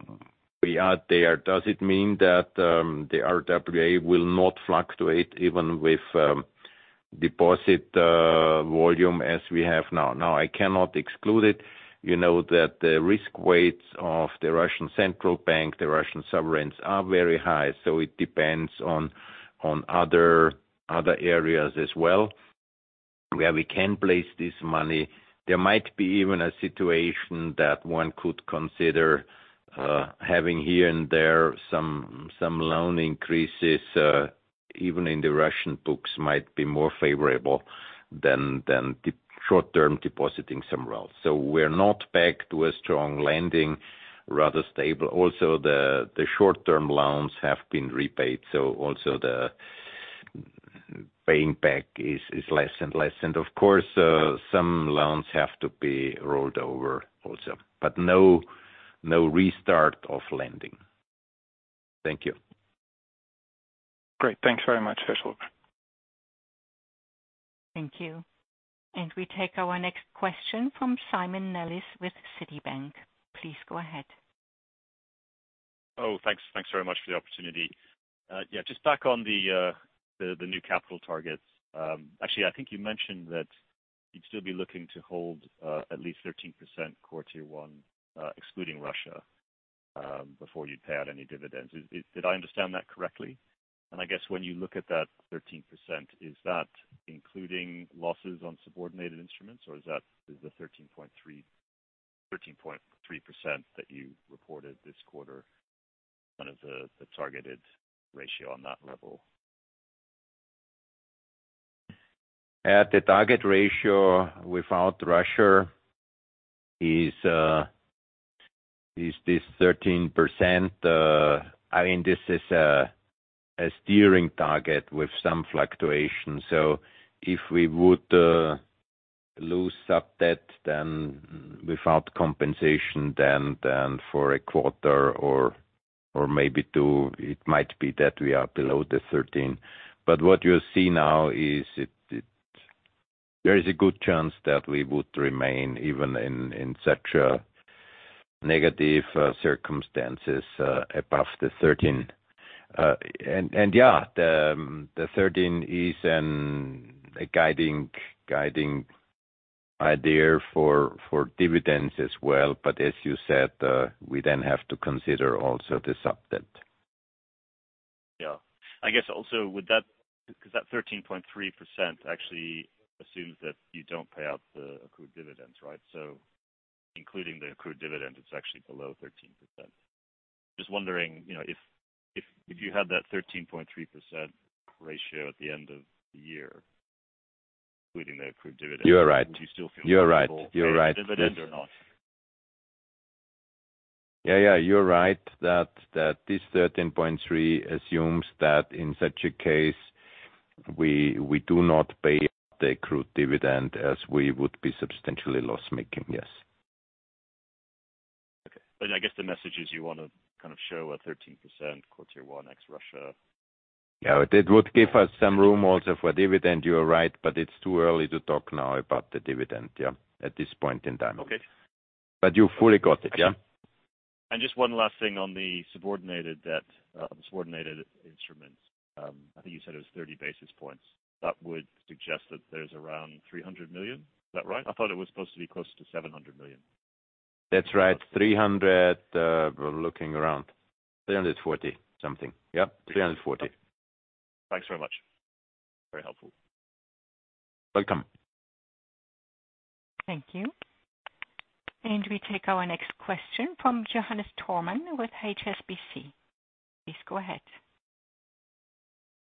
are there. Does it mean that the RWA will not fluctuate even with deposit volume as we have now? No, I cannot exclude it. You know that the risk weights of the Russian Central Bank, the Russian sovereigns are very high, so it depends on other areas as well, where we can place this money. There might be even a situation that one could consider having here and there some loan increases even in the Russian books might be more favorable than short-term depositing some wealth. We're not back to a strong lending, rather stable. Also, the short-term loans have been repaid, so also the paying back is less and less. Of course, some loans have to be rolled over also, but no restart of lending. Thank you. Great. Thanks very much, Johann Strobl. Thank you. We take our next question from Simon Nellis with Citigroup. Please go ahead. Oh, thanks. Thanks very much for the opportunity. Yeah, just back on the new capital targets. Actually, I think you mentioned that you'd still be looking to hold at least 13% Core Tier 1, excluding Russia, before you'd pay out any dividends. Did I understand that correctly? I guess when you look at that 13%, is that including losses on subordinated instruments or is that the 13.3% that you reported this quarter, kind of the targeted ratio on that level? At the target ratio without Russia is this 13%. I mean, this is a steering target with some fluctuation. If we would lose sub-debt then without compensation, then for a quarter or maybe two, it might be that we are below the 13. What you see now is. There is a good chance that we would remain even in such a negative circumstances above the 13. And yeah, the 13 is a guiding idea for dividends as well. As you said, we then have to consider also the sub-debt. Yeah. I guess also with that, because that 13.3% actually assumes that you don't pay out the accrued dividends, right? Including the accrued dividend, it's actually below 13%. Just wondering, you know, if you had that 13.3% ratio at the end of the year, including the accrued dividend. You're right. Would you still feel comfortable? You're right. You're right. Paying a dividend or not? Yeah, yeah. You're right that this 13.3% assumes that in such a case, we do not pay the accrued dividend as we would be substantially loss-making. Yes. Okay. I guess the message is you wanna kind of show a 13% quarter one ex-Russia. Yeah. That would give us some room also for dividend. You're right, but it's too early to talk now about the dividend, yeah, at this point in time. Okay. You fully got it, yeah. Just one last thing on the subordinated debt, subordinated instruments. I think you said it was 30 basis points. That would suggest that there's around 300 million. Is that right? I thought it was supposed to be close to 700 million. That's right. 300, we're looking around. 340 something. Yep, 340. Thanks very much. Very helpful. Welcome. Thank you. We take our next question from Johannes Thormann with HSBC. Please go ahead.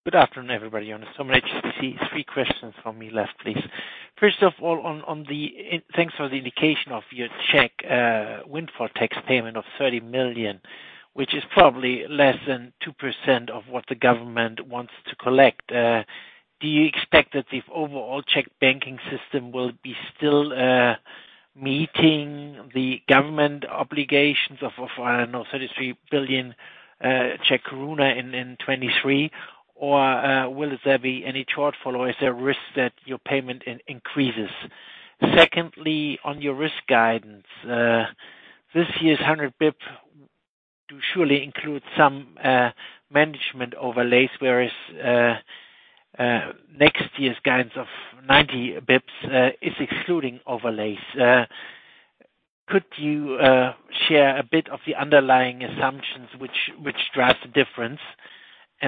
Good afternoon, everybody. Johannes Thormann, HSBC. Three questions from me left, please. First of all, thanks for the indication of your Czech windfall tax payment of 30 million, which is probably less than 2% of what the government wants to collect. Do you expect that the overall Czech banking system will be still meeting the government obligations of 33 billion in 2023 or will there be any shortfall? Is there a risk that your payment increases? Secondly, on your risk guidance, this year's 100 basis points do surely include some management overlays, whereas next year's guidance of 90 basis points is excluding overlays. Could you share a bit of the underlying assumptions which drives the difference?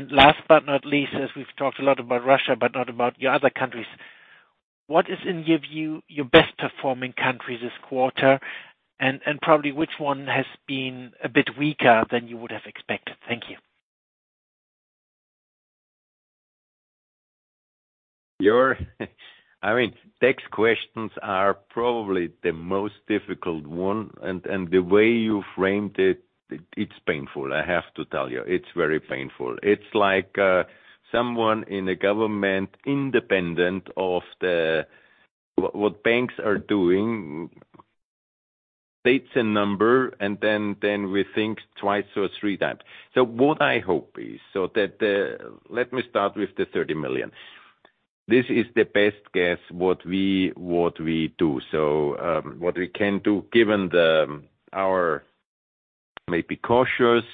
Last but not least, as we've talked a lot about Russia but not about your other countries, what is in your view, your best performing country this quarter? Probably which one has been a bit weaker than you would have expected? Thank you. Your, I mean, tax questions are probably the most difficult one. The way you framed it's painful, I have to tell you. It's very painful. It's like someone in a government independent of what banks are doing states a number, and then we think twice or three times. What I hope is. Let me start with the 30 million. This is the best guess what we do. What we can do, given our maybe cautious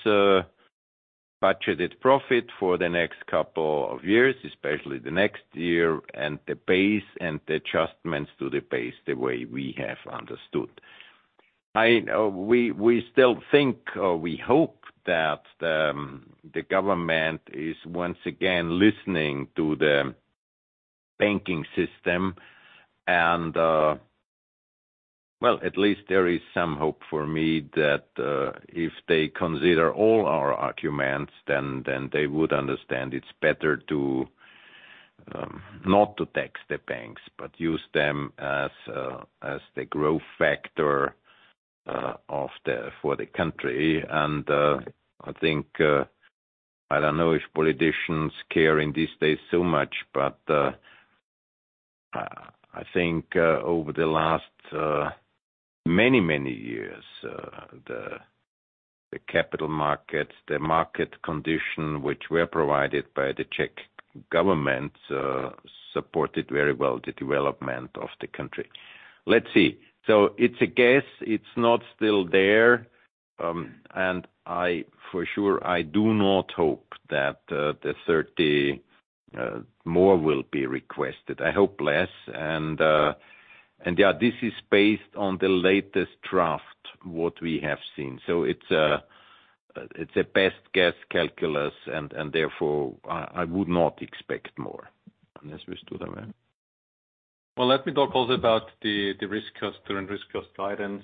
budgeted profit for the next couple of years, especially the next year, and the base and the adjustments to the base, the way we have understood. We still think or we hope that the government is once again listening to the banking system. Well, at least there is some hope for me that if they consider all our arguments, then they would understand it's better not to tax the banks, but use them as the growth factor for the country. I think I don't know if politicians care in these days so much, but I think over the last many years the capital markets, the market condition which were provided by the Czech government supported very well the development of the country. Let's see. It's a guess. It's not still there. I for sure do not hope that the 30 or more will be requested. I hope less. Yeah, this is based on the latest draft, what we have seen. It's a best guess calculation, and therefore I would not expect more. As we stood away. Well, let me talk also about the risk cost and risk cost guidance,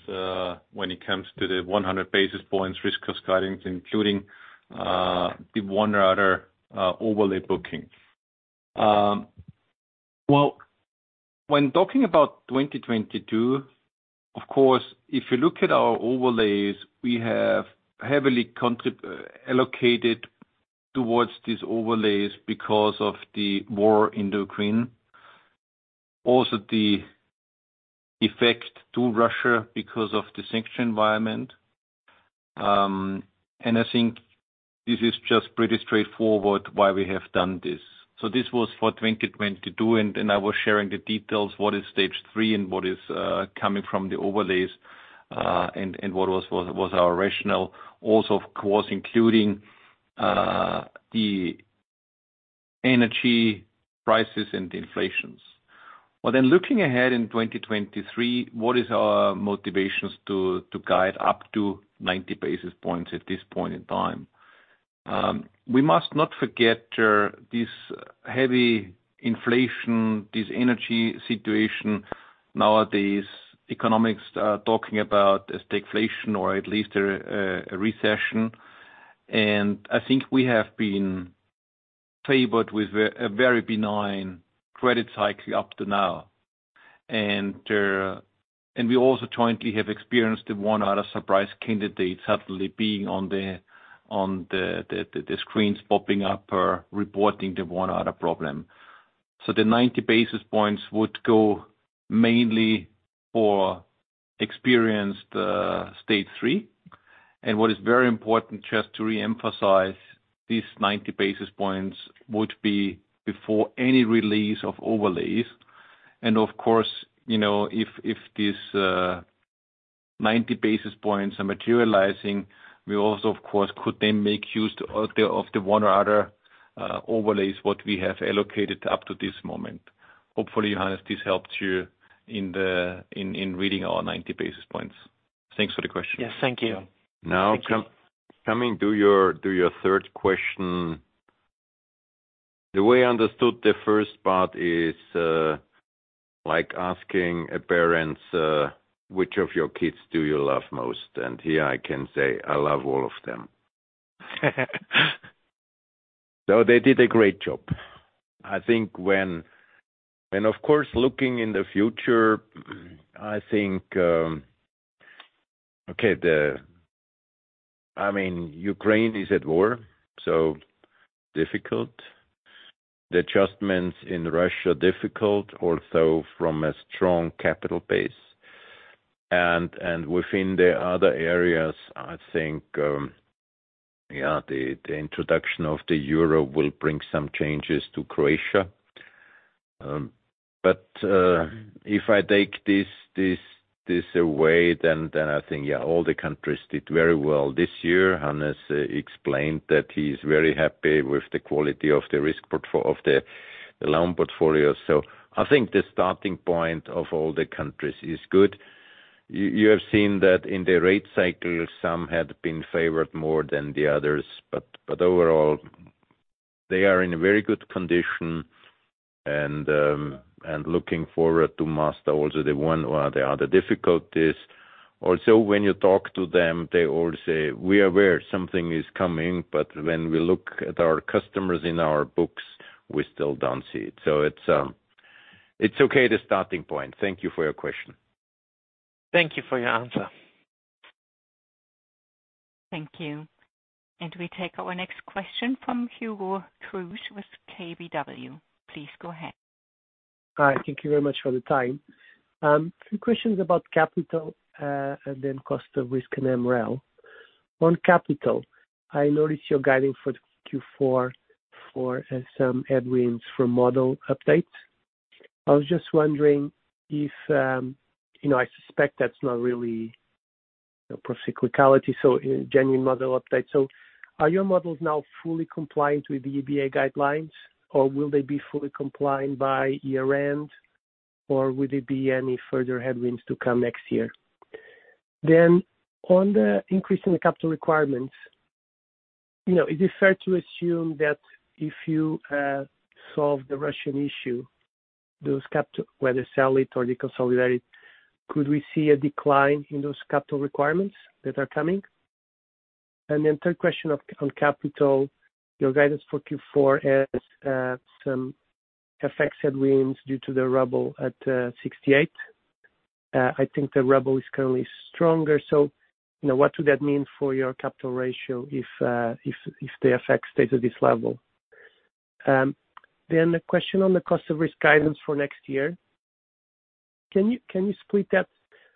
when it comes to the 100 basis points risk cost guidance, including the one other overlay booking. Well, when talking about 2022, of course, if you look at our overlays, we have heavily allocated towards these overlays because of the war in Ukraine. Also the effect to Russia because of the sanction environment. I think this is just pretty straightforward why we have done this. This was for 2022, and I was sharing the details, what is Stage 3 and what is coming from the overlays, and what was our rationale also, of course, including the energy prices and the inflation. Looking ahead in 2023, what is our motivations to guide up to 90 basis points at this point in time? We must not forget this heavy inflation, this energy situation nowadays, economics talking about a stagflation or at least a recession. I think we have been favored with a very benign credit cycle up to now. We also jointly have experienced the one other surprise candidate suddenly being on the screens popping up or reporting the one other problem. The 90 basis points would go mainly for experienced Stage 3. What is very important, just to re-emphasize, these 90 basis points would be before any release of overlays. Of course, you know, if this 90 basis points are materializing, we also, of course, could then make use of the one other overlays that we have allocated up to this moment. Hopefully, Hannes, this helps you in reading our 90 basis points. Thanks for the question. Yes, thank you. Now, coming to your third question. The way I understood the first part is, like asking a parent, which of your kids do you love most? Here I can say I love all of them. They did a great job. Of course, looking in the future, I think. I mean, Ukraine is at war, so difficult. The adjustments in Russia, difficult also from a strong capital base. Within the other areas, I think, yeah, the introduction of the Euro will bring some changes to Croatia. If I take this away, then I think all the countries did very well this year. Hannes explained that he's very happy with the quality of the loan portfolio. I think the starting point of all the countries is good. You have seen that in the rate cycle, some had been favored more than the others, but overall they are in a very good condition and looking forward to master also the one or the other difficulties. Also, when you talk to them, they all say, "We are aware something is coming, but when we look at our customers in our books, we still don't see it." It's okay, the starting point. Thank you for your question. Thank you for your answer. Thank you. We take our next question from Hugo Cruz with KBW. Please go ahead. Hi. Thank you very much for the time. A few questions about capital, and then cost of risk and MREL. On capital, I noticed you're guiding for Q4 for some headwinds for model updates. I was just wondering if, you know, I suspect that's not really a procyclicality, so a genuine model update. Are your models now fully compliant with the EBA guidelines, or will they be fully compliant by year-end, or will there be any further headwinds to come next year? On the increase in the capital requirements, you know, is it fair to assume that if you solve the Russian issue, those capital, whether sell it or deconsolidate, could we see a decline in those capital requirements that are coming? Third question on capital. Your guidance for Q4 has some FX headwinds due to the ruble at 68. I think the ruble is currently stronger. So, you know, what would that mean for your capital ratio if the FX stays at this level? A question on the cost of risk guidance for next year. Can you split that?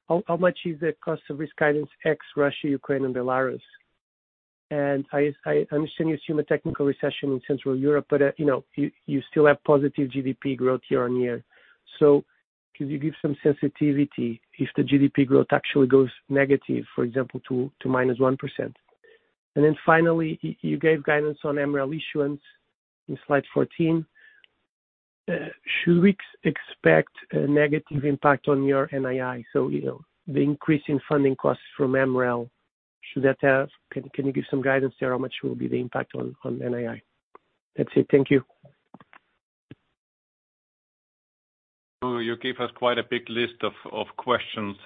How much is the cost of risk guidance ex. Russia, Ukraine and Belarus? I understand you assume a technical recession in Central Europe, but you know, you still have positive GDP growth year-on-year. So could you give some sensitivity if the GDP growth actually goes negative, for example, to -1%? Finally, you gave guidance on MREL issuance in slide 14. Should we expect a negative impact on your NII? You know, the increase in funding costs from MREL, should that have. Can you give some guidance there? How much will be the impact on NII? That's it. Thank you. You gave us quite a big list of questions.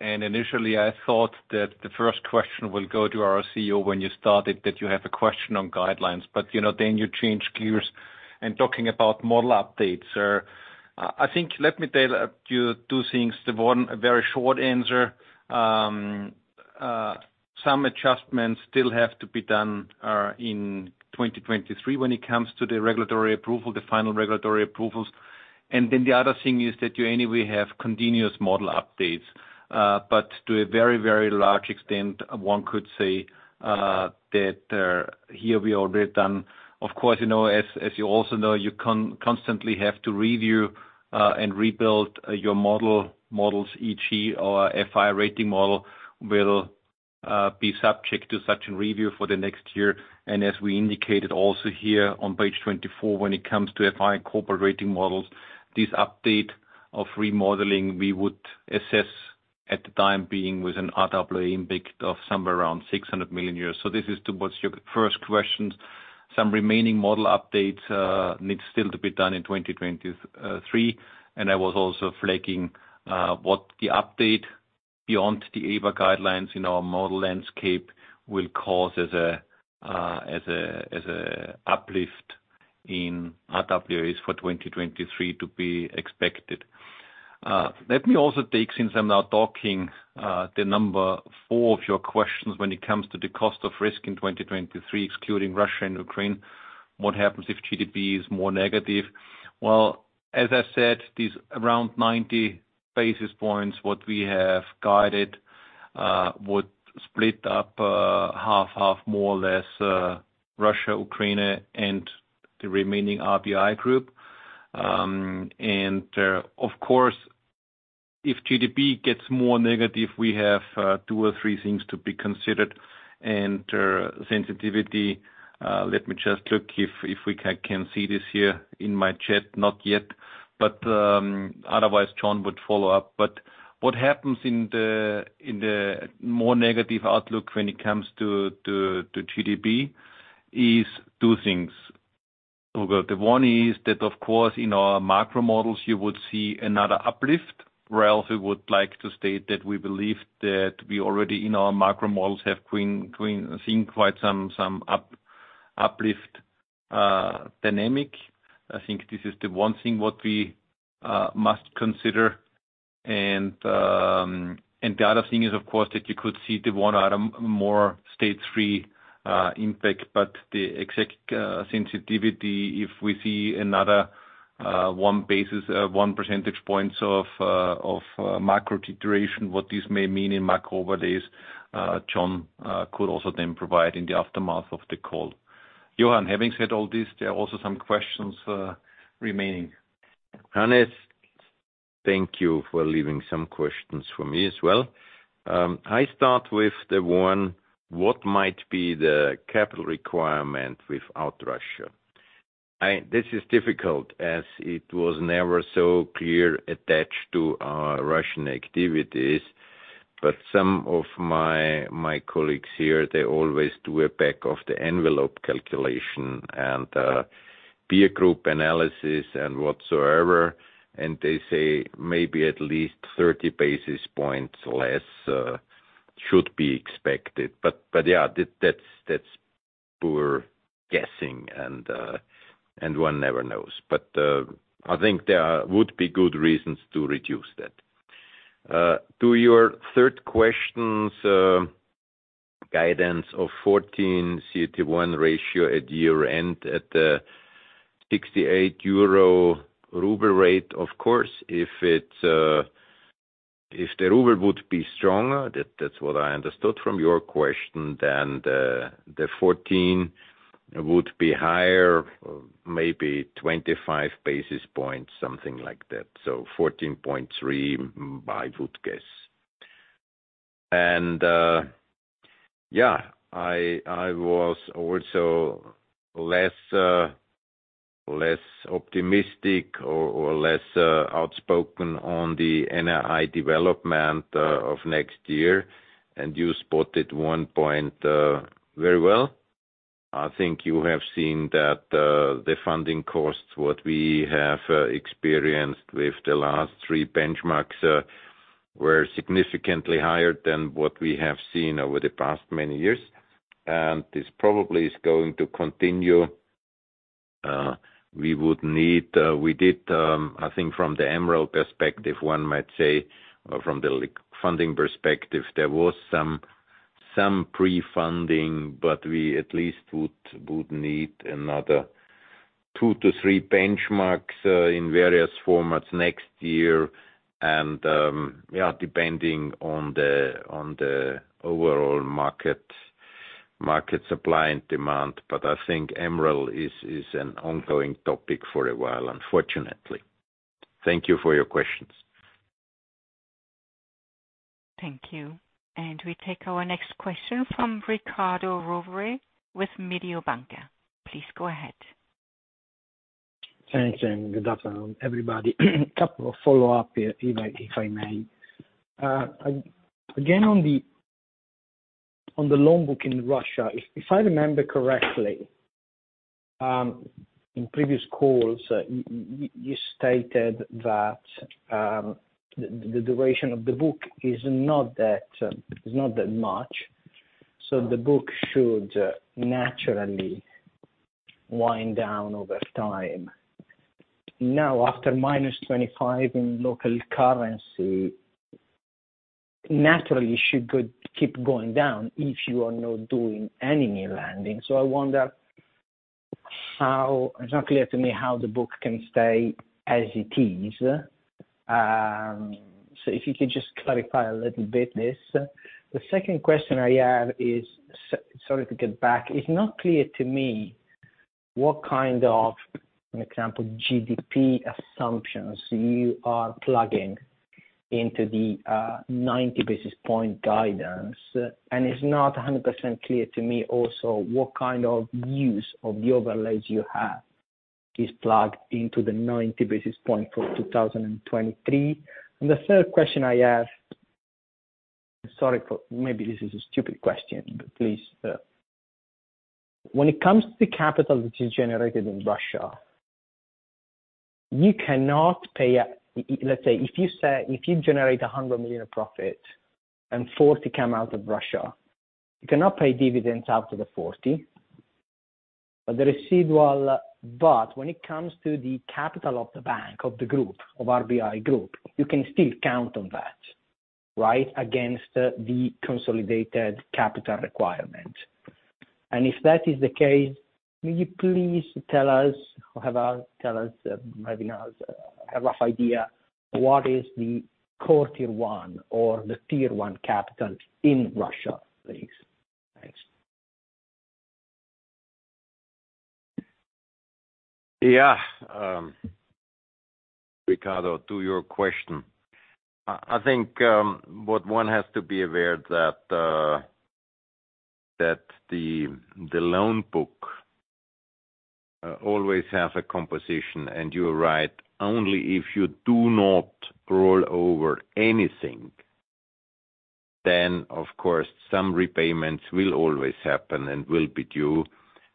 Initially, I thought that the first question will go to our CEO when you started that you have a question on guidelines, but, you know, then you changed gears and talking about model updates. I think let me tell you two things. The one, a very short answer. Some adjustments still have to be done in 2023 when it comes to the regulatory approval, the final regulatory approvals. Then the other thing is that you anyway have continuous model updates, but to a very, very large extent, one could say, that here we are a bit done. Of course, you know, as you also know, you constantly have to review and rebuild your models, e.g., our FI rating model will be subject to such a review for the next year. As we indicated also here on page 24, when it comes to FI corporate rating models, this update of remodeling we would assess for the time being with an RWA impact of somewhere around 600 million. This is towards your first question. Some remaining model updates need still to be done in 2023. I was also flagging what the update beyond the EBA guidelines in our model landscape will cause as a uplift in RWAs for 2023 to be expected. Let me also take, since I'm now talking, the number four of your questions when it comes to the cost of risk in 2023, excluding Russia and Ukraine, what happens if GDP is more negative? Well, as I said, these around 90 basis points, what we have guided, would split up, half more or less, Russia, Ukraine, and the remaining RBI group. Of course, if GDP gets more negative, we have two or three things to be considered and sensitivity. Let me just look if we can see this here in my chat. Not yet, but otherwise Johann Strobl would follow up. What happens in the more negative outlook when it comes to to GDP is two things. The one is that of course in our macro models you would see another uplift. RBI would like to state that we believe that we already in our macro models have seen quite some uplift dynamic. I think this is the one thing what we must consider. The other thing is of course that you could see the one-time more straightforward impact, but the expected sensitivity, if we see another one percentage point of macro deterioration, what this may mean in macro overlays, Johann could also then provide in the aftermath of the call. Johann, having said all this, there are also some questions remaining. Hannes, thank you for leaving some questions for me as well. I start with the one: What might be the capital requirement without Russia? This is difficult as it was never so clear attached to our Russian activities. Some of my colleagues here, they always do a back-of-the-envelope calculation and peer group analysis and whatsoever, and they say maybe at least 30 basis points less should be expected. Yeah, that's poor guessing and one never knows. I think there would be good reasons to reduce that. To your third questions, guidance of 14% CET1 ratio at year-end at a EUR 68-ruble rate, of course, if the ruble would be stronger, that's what I understood from your question, then the 14 would be higher, maybe 25 basis points, something like that. So 14.3%, I would guess. Yeah, I was also less optimistic or less outspoken on the NII development of next year. You spotted one point very well. I think you have seen that the funding costs what we have experienced with the last three benchmarks were significantly higher than what we have seen over the past many years. This probably is going to continue. We would need, we did, I think from the MREL perspective, one might say, or from the funding perspective, there was some pre-funding, but we at least would need another 2-3 benchmarks in various formats next year. Yeah, depending on the overall market supply and demand. I think MREL is an ongoing topic for a while, unfortunately. Thank you for your questions. Thank you. We take our next question from Riccardo Rovere with Mediobanca. Please go ahead. Thanks, and good afternoon, everybody. A couple of follow-up if I may. Again, on the loan book in Russia, if I remember correctly, in previous calls, you stated that the duration of the book is not that much, so the book should naturally wind down over time. Now, after -25 in local currency, naturally, it should keep going down if you are not doing any new lending. I wonder how it's not clear to me how the book can stay as it is. If you could just clarify a little bit this. The second question I have is, sorry to get back. It's not clear to me what kind of, an example, GDP assumptions you are plugging into the 90 basis points guidance. It's not 100% clear to me also what kind of use of the overlays you have is plugged into the 90 basis points for 2023. The third question I ask, maybe this is a stupid question, but please. When it comes to capital which is generated in Russia, you cannot pay a dividend. Let's say, if you generate 100 million of profit and 40 come out of Russia, you cannot pay dividends out of the 40. But when it comes to the capital of the bank, of the group, of RBI group, you can still count on that, right, against the consolidated capital requirement. If that is the case, will you please tell us, maybe have a rough idea what is the core Tier 1 or the Tier 1 capital in Russia, please. Thanks. Yeah. Riccardo, to your question. I think what one has to be aware that the loan book always have a composition, and you're right. Only if you do not roll over anything, then, of course, some repayments will always happen and will be due,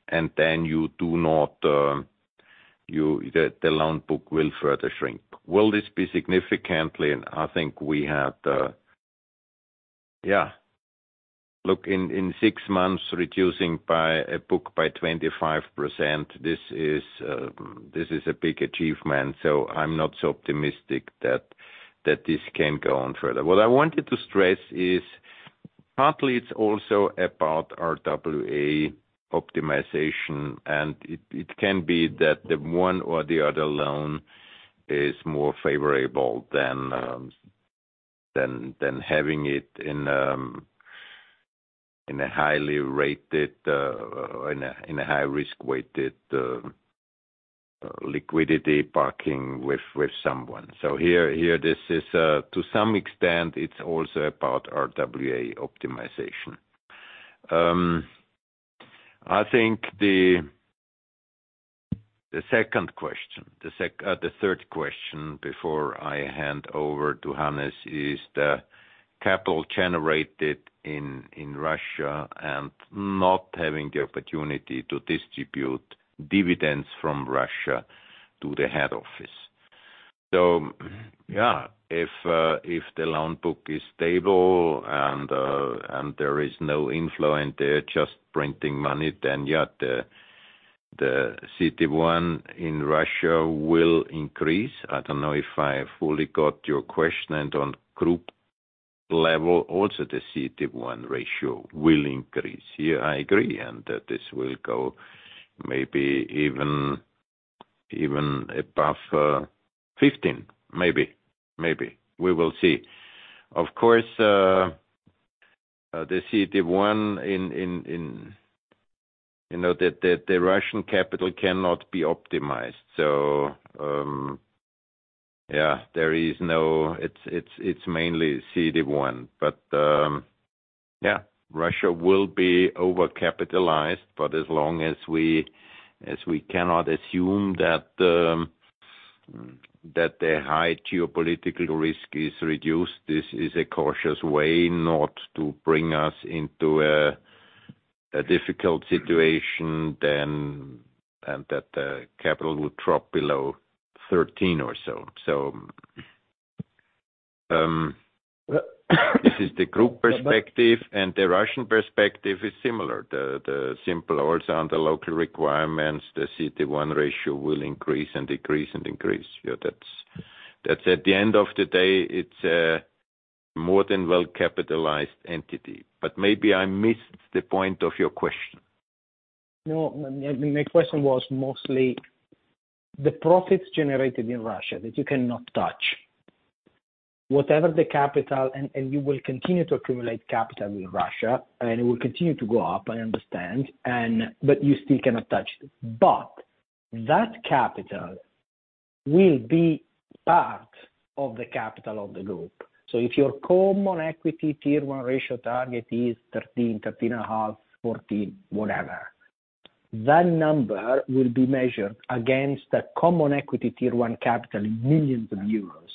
and then you do not. The loan book will further shrink. Will this be significantly? I think we had. Look, in six months, reducing the book by 25%, this is a big achievement. So I'm not so optimistic that this can go on further. What I wanted to stress is partly it's also about RWA optimization, and it can be that the one or the other loan is more favorable than having it in a highly rated or in a high risk-weighted liquidity parking with someone. Here this is to some extent it's also about RWA optimization. I think the third question before I hand over to Hannes is the capital generated in Russia and not having the opportunity to distribute dividends from Russia to the head office. If the loan book is stable and there is no inflow in there, just printing money, then the CET1 in Russia will increase. I don't know if I fully got your question. On group level, also the CET1 ratio will increase. Yeah, I agree. That this will go maybe even above 15%, maybe. We will see. Of course, you know, the Russian capital cannot be optimized. So, it's mainly CET1. But Russia will be overcapitalized, but as long as we cannot assume that the high geopolitical risk is reduced, this is a cautious way not to bring us into a difficult situation then, and that the capital would drop below 13% or so. So, this is the group perspective, and the Russian perspective is similar. The simple also under local requirements, the CET1 ratio will increase and decrease and increase. Yeah, that's at the end of the day, it's a more than well-capitalized entity. Maybe I missed the point of your question. No. My question was mostly the profits generated in Russia that you cannot touch. Whatever the capital you will continue to accumulate capital in Russia, and it will continue to go up, I understand, but you still cannot touch it. That capital will be part of the capital of the group. So if your common equity tier one ratio target is 13.5, 14, whatever, that number will be measured against the common equity tier one capital in millions euros.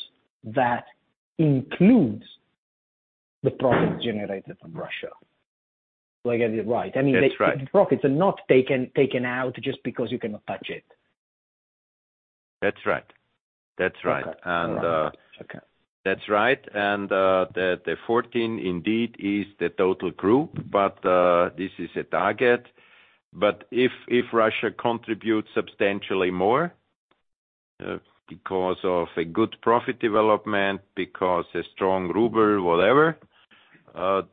That includes the profit generated from Russia. Do I get it right? That's right. I mean, the profits are not taken out just because you cannot touch it. That's right. That's right. Okay. That's right. The 14% indeed is the total group, but this is a target. If Russia contributes substantially more, because of a good profit development, because a strong ruble, whatever,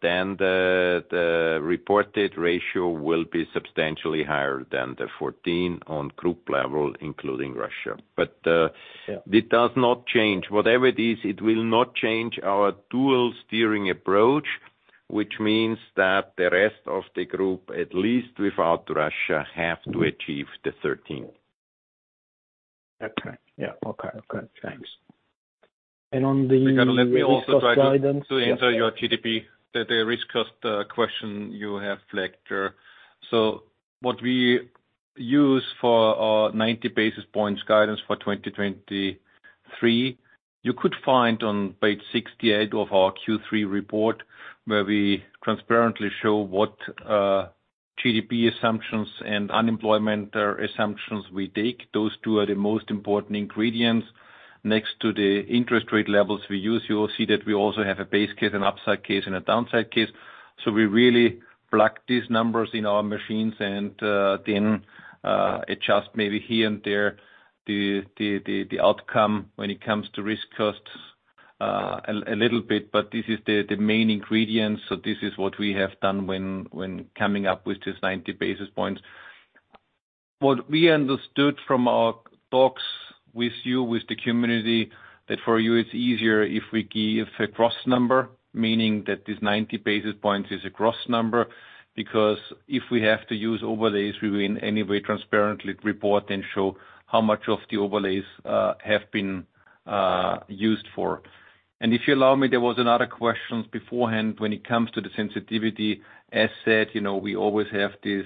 then the reported ratio will be substantially higher than the 14% on group level, including Russia. Yeah. It does not change. Whatever it is, it will not change our dual steering approach, which means that the rest of the group, at least without Russia, have to achieve the 13%. Okay. Yeah. Okay. Thanks. On the- Riccardo, let me also try to answer your GDP. The risk cost question you have flagged there. What we use for our 90 basis points guidance for 2023, you could find on page 68 of our Q3 report, where we transparently show what GDP assumptions and unemployment assumptions we take. Those two are the most important ingredients next to the interest rate levels we use. You will see that we also have a base case, an upside case, and a downside case. We really plug these numbers in our machines and then adjust maybe here and there the outcome when it comes to risk costs, a little bit. This is the main ingredient. This is what we have done when coming up with this 90 basis points. What we understood from our talks with you, with the community, that for you it's easier if we give a gross number, meaning that this 90 basis points is a gross number. Because if we have to use overlays, we will in any way transparently report and show how much of the overlays have been used for. If you allow me, there was another question beforehand when it comes to the sensitivity. As said, you know, we always have this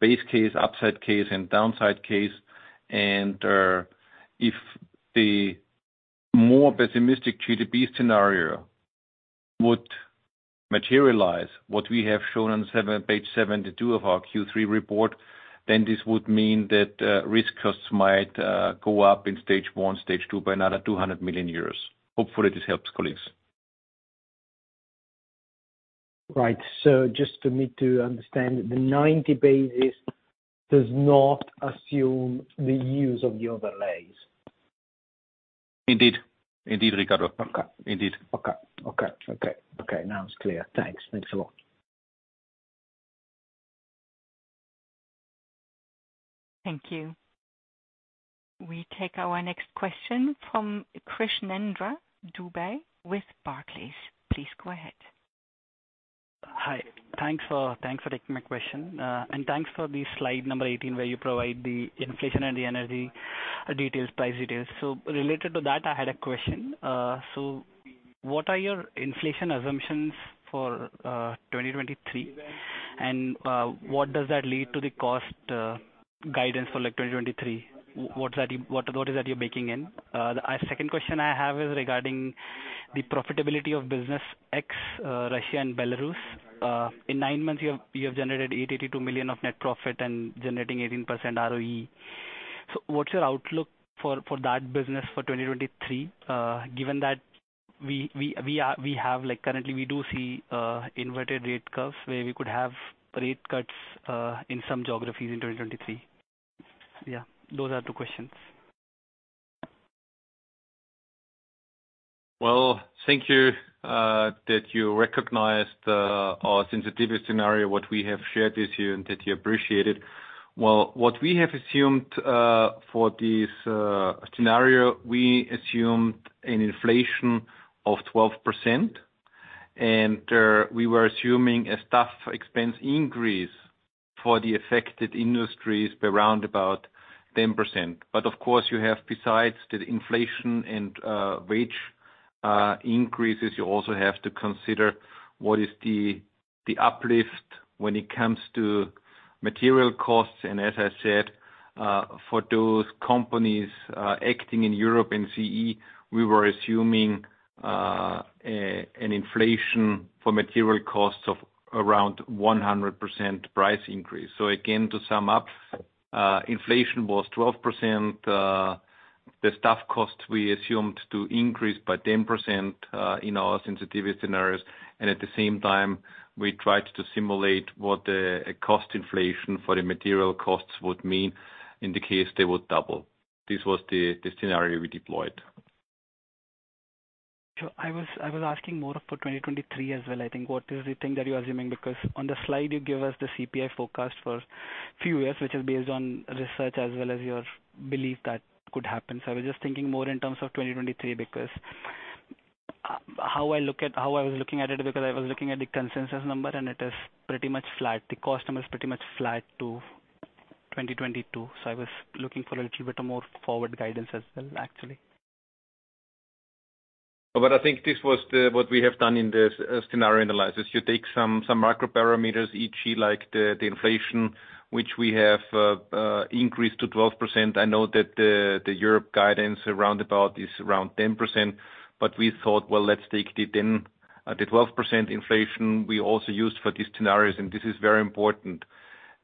base case, upside case and downside case. If the more pessimistic GDP scenario would materialize, what we have shown on page 72 of our Q3 report, then this would mean that risk costs might go up in Stage 1, Stage 2, by another 200 million euros. Hopefully, this helps, colleagues. Right. Just for me to understand, the 90 basis does not assume the use of the overlays. Indeed. Indeed, Riccardo. Okay. Indeed. Okay. Now it's clear. Thanks. Thanks a lot. Thank you. We take our next question from Krishnendra Dubey with Barclays. Please go ahead. Hi. Thanks for taking my question. And thanks for the slide number 18, where you provide the inflation and the energy details, price details. Related to that, I had a question. What are your inflation assumptions for 2023? And what does that lead to the cost guidance for like 2023? What cost is that you're baking in? Second question I have is regarding the profitability of business ex Russia and Belarus. In nine months, you have generated 882 million of net profit and generating 18% ROE. What's your outlook for that business for 2023, given that we have like currently we do see inverted rate curves where we could have rate cuts in some geographies in 2023. Yeah, those are two questions. Well, thank you that you recognized our sensitivity scenario, what we have shared with you, and that you appreciate it. Well, what we have assumed for this scenario, we assumed an inflation of 12%, and we were assuming a staff expense increase for the affected industries by around about 10%. Of course you have besides the inflation and wage increases, you also have to consider what is the uplift when it comes to material costs. As I said, for those companies acting in Europe and CE, we were assuming an inflation for material costs of around 100% price increase. Again, to sum up, inflation was 12%. The staff costs we assumed to increase by 10% in our sensitivity scenarios. At the same time, we tried to simulate what a cost inflation for the material costs would mean in the case they would double. This was the scenario we deployed. I was asking more for 2023 as well, I think. What is the thing that you're assuming? Because on the slide you gave us the CPI forecast for few years, which is based on research as well as your belief that could happen. I was just thinking more in terms of 2023 because I was looking at the consensus number and it is pretty much flat. The cost number is pretty much flat to 2022. I was looking for a little bit more forward guidance as well, actually. I think this was what we have done in this scenario analysis. You take some macro parameters, e.g., like the inflation which we have increased to 12%. I know that the European guidance around about is around 10%. We thought, well, let's take it then. The 12% inflation we also used for these scenarios, and this is very important.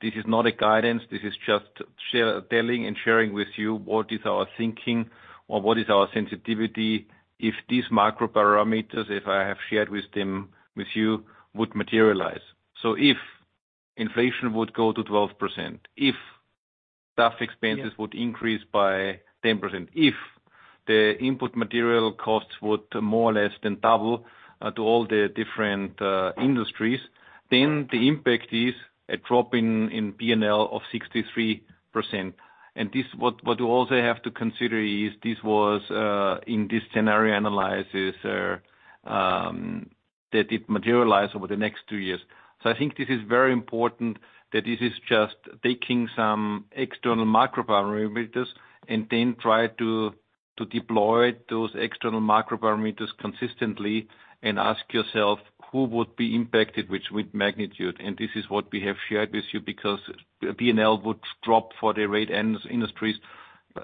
This is not a guidance, this is just sharing and telling with you what is our thinking or what is our sensitivity if these macro parameters I have shared with you would materialize. If inflation would go to 12%, if staff expenses would increase by 10%, if the input material costs would more or less than double to all the different industries, then the impact is a drop in P&L of 63%. This, what you also have to consider, is this was in this scenario analysis that it materialize over the next two years. I think this is very important that this is just taking some external macro parameters and then try to deploy those external macro parameters consistently and ask yourself who would be impacted with magnitude. This is what we have shared with you because P&L would drop for the rate end industries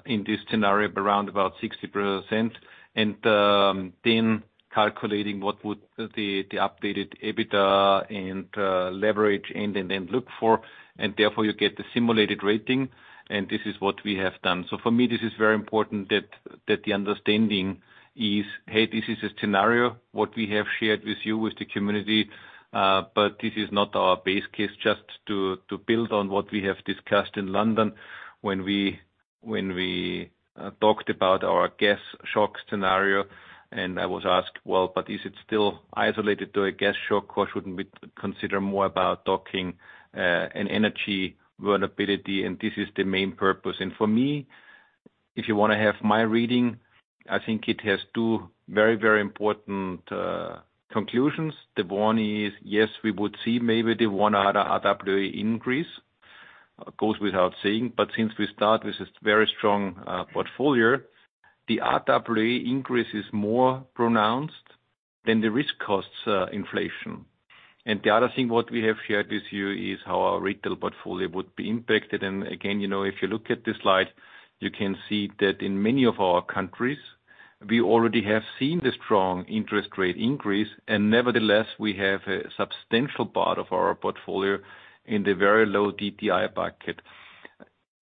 in this scenario around about 60%. Then calculating the updated EBITDA and leverage and then look for and therefore you get the simulated rating and this is what we have done. For me this is very important that the understanding is, hey, this is a scenario, what we have shared with you, with the community, but this is not our base case. Just to build on what we have discussed in London when we talked about our gas shock scenario and I was asked, "Well, but is it still isolated to a gas shock or shouldn't we consider more about talking an energy vulnerability?" This is the main purpose. For me, if you wanna have my reading, I think it has two very, very important conclusions. The one is, yes, we would see maybe the one RWA increase. goes without saying, but since we start with this very strong portfolio, the RWA increase is more pronounced than the risk costs, inflation. The other thing what we have shared with you is how our retail portfolio would be impacted. Again, you know, if you look at the slide, you can see that in many of our countries we already have seen the strong interest rate increase. Nevertheless we have a substantial part of our portfolio in the very low DTI bucket.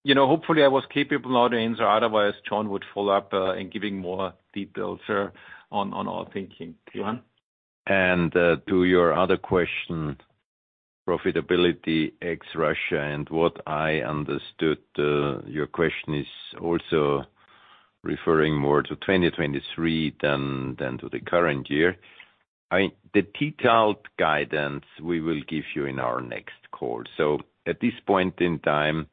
You know, hopefully I was capable now to answer, otherwise Johann would follow up in giving more details on our thinking. Johann. To your other question, profitability ex-Russia. What I understood, your question is also referring more to 2023 than to the current year. The detailed guidance we will give you in our next call. At this point in time,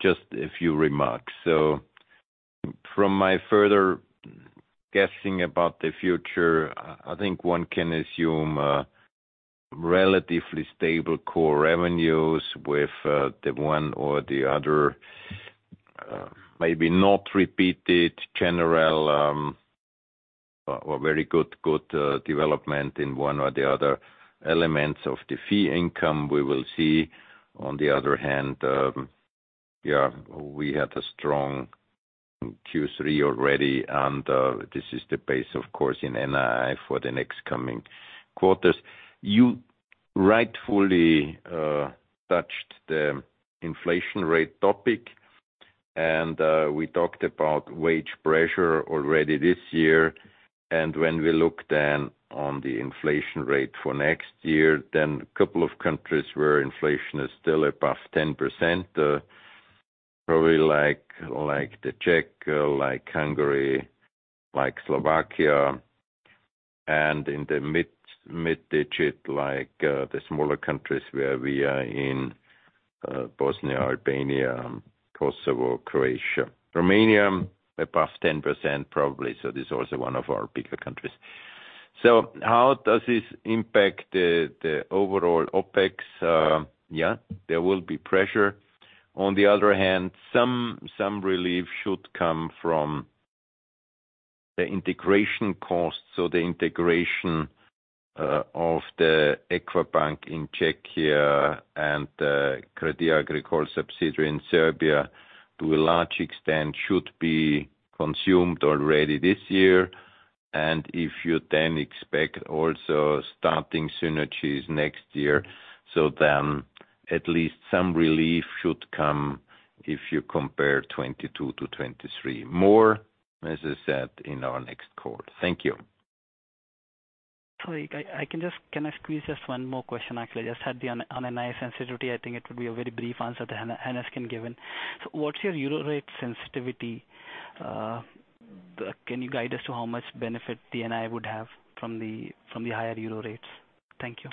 just a few remarks. From my further guessing about the future, I think one can assume relatively stable core revenues with the one or the other, maybe not repeated general or very good development in one or the other elements of the fee income we will see. On the other hand, we had a strong Q3 already and this is the base of course in NII for the next coming quarters. You rightfully touched the inflation rate topic and we talked about wage pressure already this year. When we look then on the inflation rate for next year, then a couple of countries where inflation is still above 10%, probably like the Czech, like Hungary, like Slovakia, and in the mid-single digit like the smaller countries where we are in, Bosnia, Albania, Kosovo, Croatia. Romania above 10% probably, so this is also one of our bigger countries. How does this impact the overall OpEx? Yeah, there will be pressure. On the other hand, some relief should come from the integration costs. The integration of the Equa bank in Czechia and the Crédit Agricole subsidiary in Serbia to a large extent should be consumed already this year. If you then expect also starting synergies next year, then at least some relief should come if you compare 2022 to 2023. More, as I said, in our next call. Thank you. Can I squeeze just one more question? Actually I just had the non-NII sensitivity. I think it would be a very brief answer that Hannes Mosenbacher can give an. What's your Euro rate sensitivity? Can you guide us to how much benefit the NII would have from the higher Euro rates? Thank you.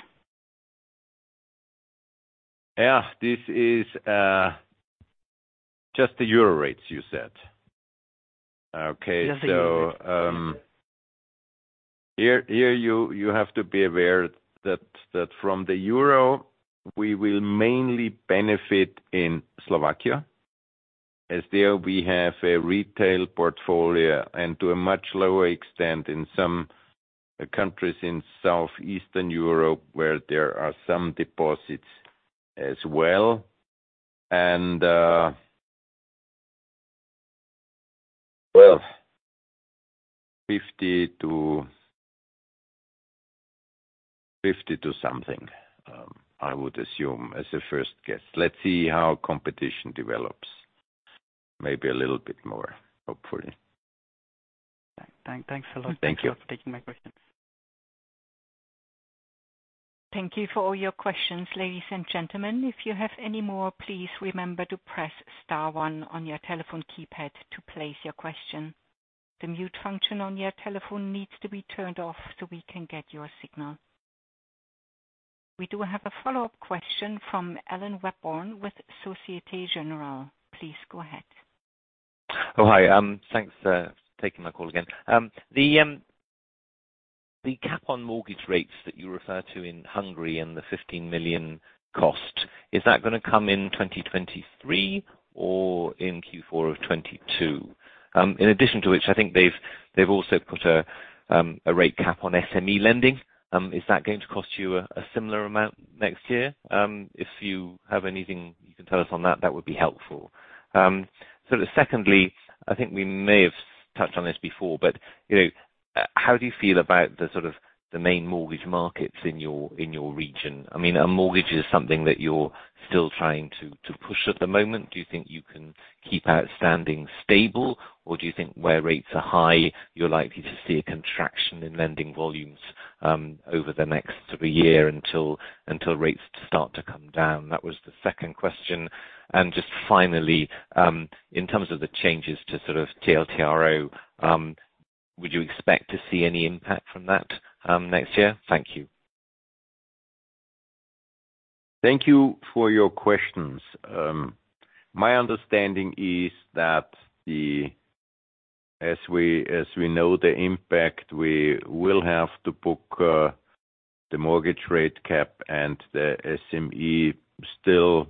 Yeah, this is just the Euro rates you said. Okay. Just the Euro rates. Here you have to be aware that from the Euro we will mainly benefit in Slovakia as there we have a retail portfolio and to a much lower extent in some countries in southeastern Europe where there are some deposits as well. Well, 50 to something, I would assume as a first guess. Let's see how competition develops. Maybe a little bit more, hopefully. Thanks. Thanks a lot. Thank you. Thanks a lot for taking my questions. Thank you for all your questions, ladies and gentlemen. If you have any more, please remember to press star one on your telephone keypad to place your question. The mute function on your telephone needs to be turned off so we can get your signal. We do have a follow-up question from Alan Webborn with Société Générale. Please go ahead. Thanks for taking my call again. The cap on mortgage rates that you refer to in Hungary and the 15 million cost, is that gonna come in 2023 or in Q4 of 2022? In addition to which, I think they've also put a rate cap on SME lending. Is that going to cost you a similar amount next year? If you have anything you can tell us on that would be helpful. Sort of secondly, I think we may have touched on this before, but you know, how do you feel about the sort of main mortgage markets in your region? I mean, are mortgages something that you're still trying to push at the moment? Do you think you can keep outstandings stable, or do you think where rates are high, you're likely to see a contraction in lending volumes, over the next sort of year until rates start to come down? That was the second question. Just finally, in terms of the changes to sort of TLTRO, would you expect to see any impact from that, next year? Thank you. Thank you for your questions. My understanding is that as we know the impact, we will have to book the mortgage rate cap and the SME still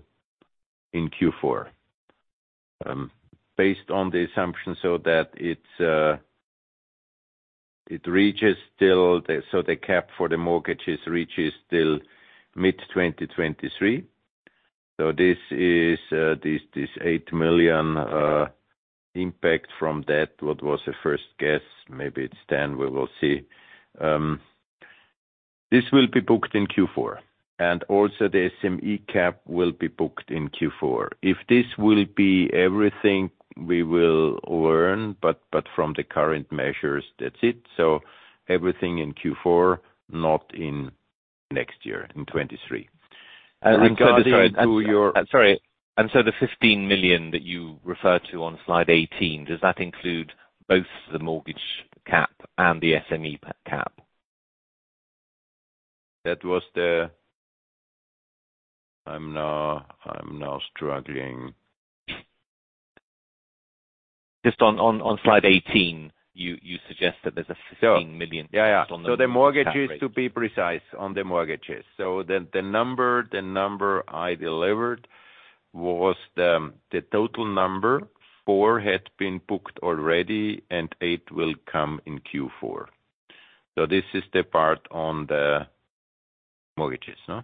in Q4, based on the assumption so that it reaches till. The cap for the mortgages reaches till mid-2023. This is this eight million impact from that, what was a first guess. Maybe it's ten, we will see. This will be booked in Q4, and also the SME cap will be booked in Q4. If this will be everything we will learn, but from the current measures, that's it. Everything in Q4, not in next year, in 2023. Regarding- Sorry. The 15 million that you referred to on slide 18, does that include both the mortgage cap and the SME cap? I'm now struggling. Just on slide 18, you suggest that there's 15 million- Yeah. On the mortgage cap rate. To be precise, on the mortgages. The number I delivered was the total number. Four had been booked already and eight will come in Q4. This is the part on the mortgages, no?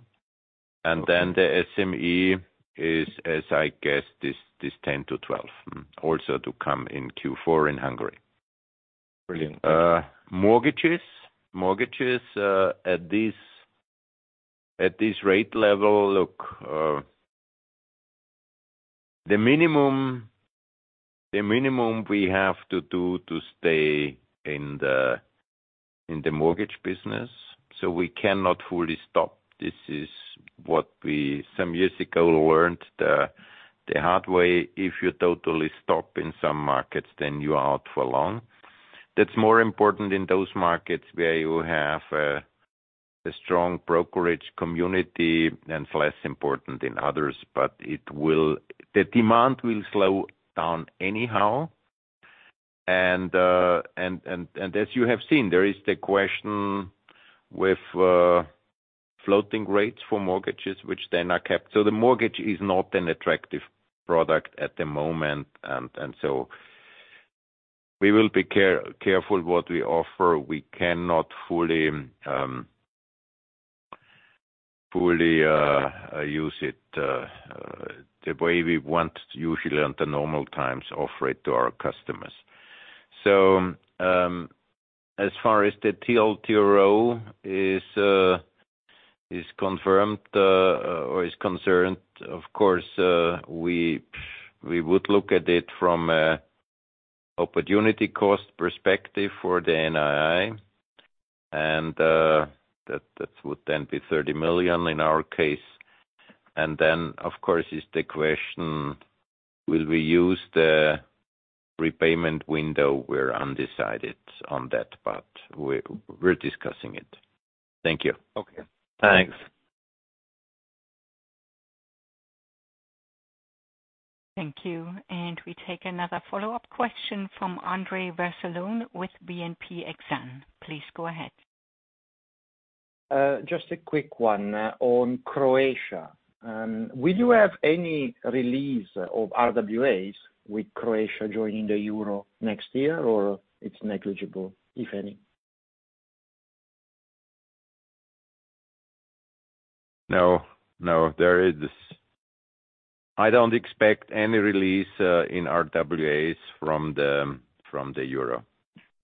Okay. The SME is, as I guess, this 10-12 also to come in Q4 in Hungary. Brilliant. Mortgages at this rate level, look, the minimum we have to do to stay in the mortgage business, we cannot fully stop. This is what we some years ago learned the hard way. If you totally stop in some markets, then you are out for long. That's more important in those markets where you have a strong brokerage community, and it's less important in others. The demand will slow down anyhow. As you have seen, there is the question with floating rates for mortgages, which then are capped. The mortgage is not an attractive product at the moment. We will be careful what we offer. We cannot fully use it the way we want usually under normal times offer it to our customers. As far as the TLTRO is concerned, of course, we would look at it from an opportunity cost perspective for the NII. That would then be 30 million in our case. Of course is the question will we use the repayment window, we're undecided on that, but we're discussing it. Thank you. Okay. Thanks. Thank you. We take another follow-up question from Andrea Vercellone with BNP Exane. Please go ahead. Just a quick one on Croatia. Will you have any release of RWAs with Croatia joining the Euro next year, or it's negligible, if any? No. No. There is. I don't expect any release in RWAs from the Euro.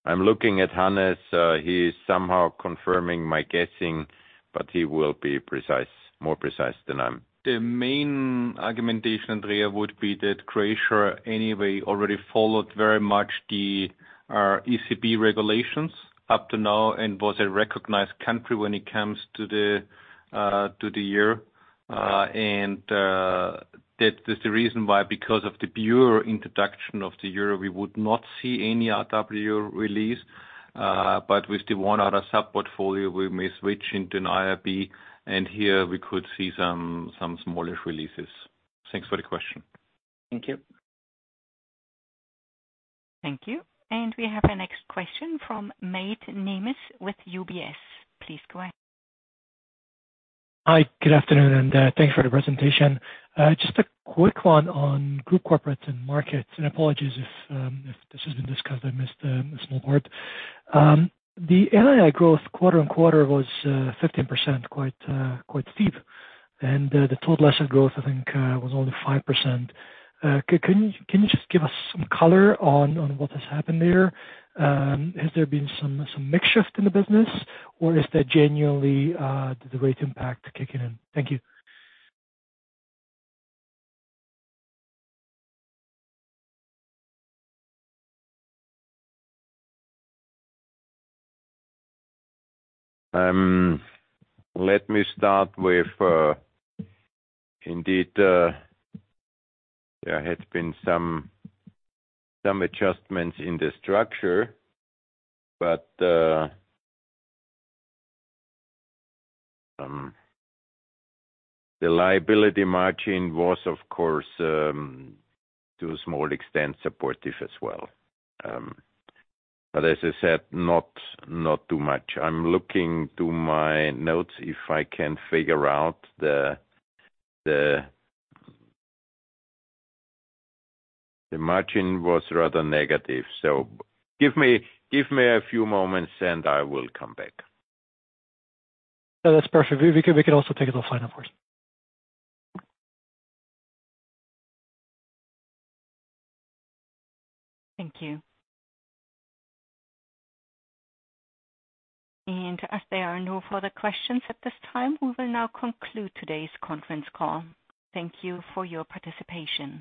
I'm looking at Hannes. He is somehow confirming my guessing, but he will be precise, more precise than I am. The main argumentation, Andrea, would be that Croatia anyway already followed very much the ECB regulations up to now and was a recognized country when it comes to the Euro. That is the reason why because of the pure introduction of the Euro, we would not see any RWA release. But with the one other sub-portfolio, we may switch into an IRB, and here we could see some smallish releases. Thanks for the question. Thank you. Thank you. We have our next question from Máté Nemes with UBS. Please go ahead. Hi. Good afternoon, and thanks for the presentation. Just a quick one on group corporates and markets, and apologies if this has been discussed. I missed a small part. The NII growth quarter-on-quarter was 15%, quite steep. The total asset growth, I think, was only 5%. Can you just give us some color on what has happened there? Has there been some mix shift in the business, or is that genuinely the rate impact kicking in? Thank you. Let me start with, indeed, there has been some adjustments in the structure, but the liability margin was, of course, to a small extent supportive as well. As I said, not too much. I'm looking to my notes if I can figure out the margin. The margin was rather negative, so give me a few moments, and I will come back. No, that's perfect. We can also take it offline, of course. Thank you. As there are no further questions at this time, we will now conclude today's conference call. Thank you for your participation.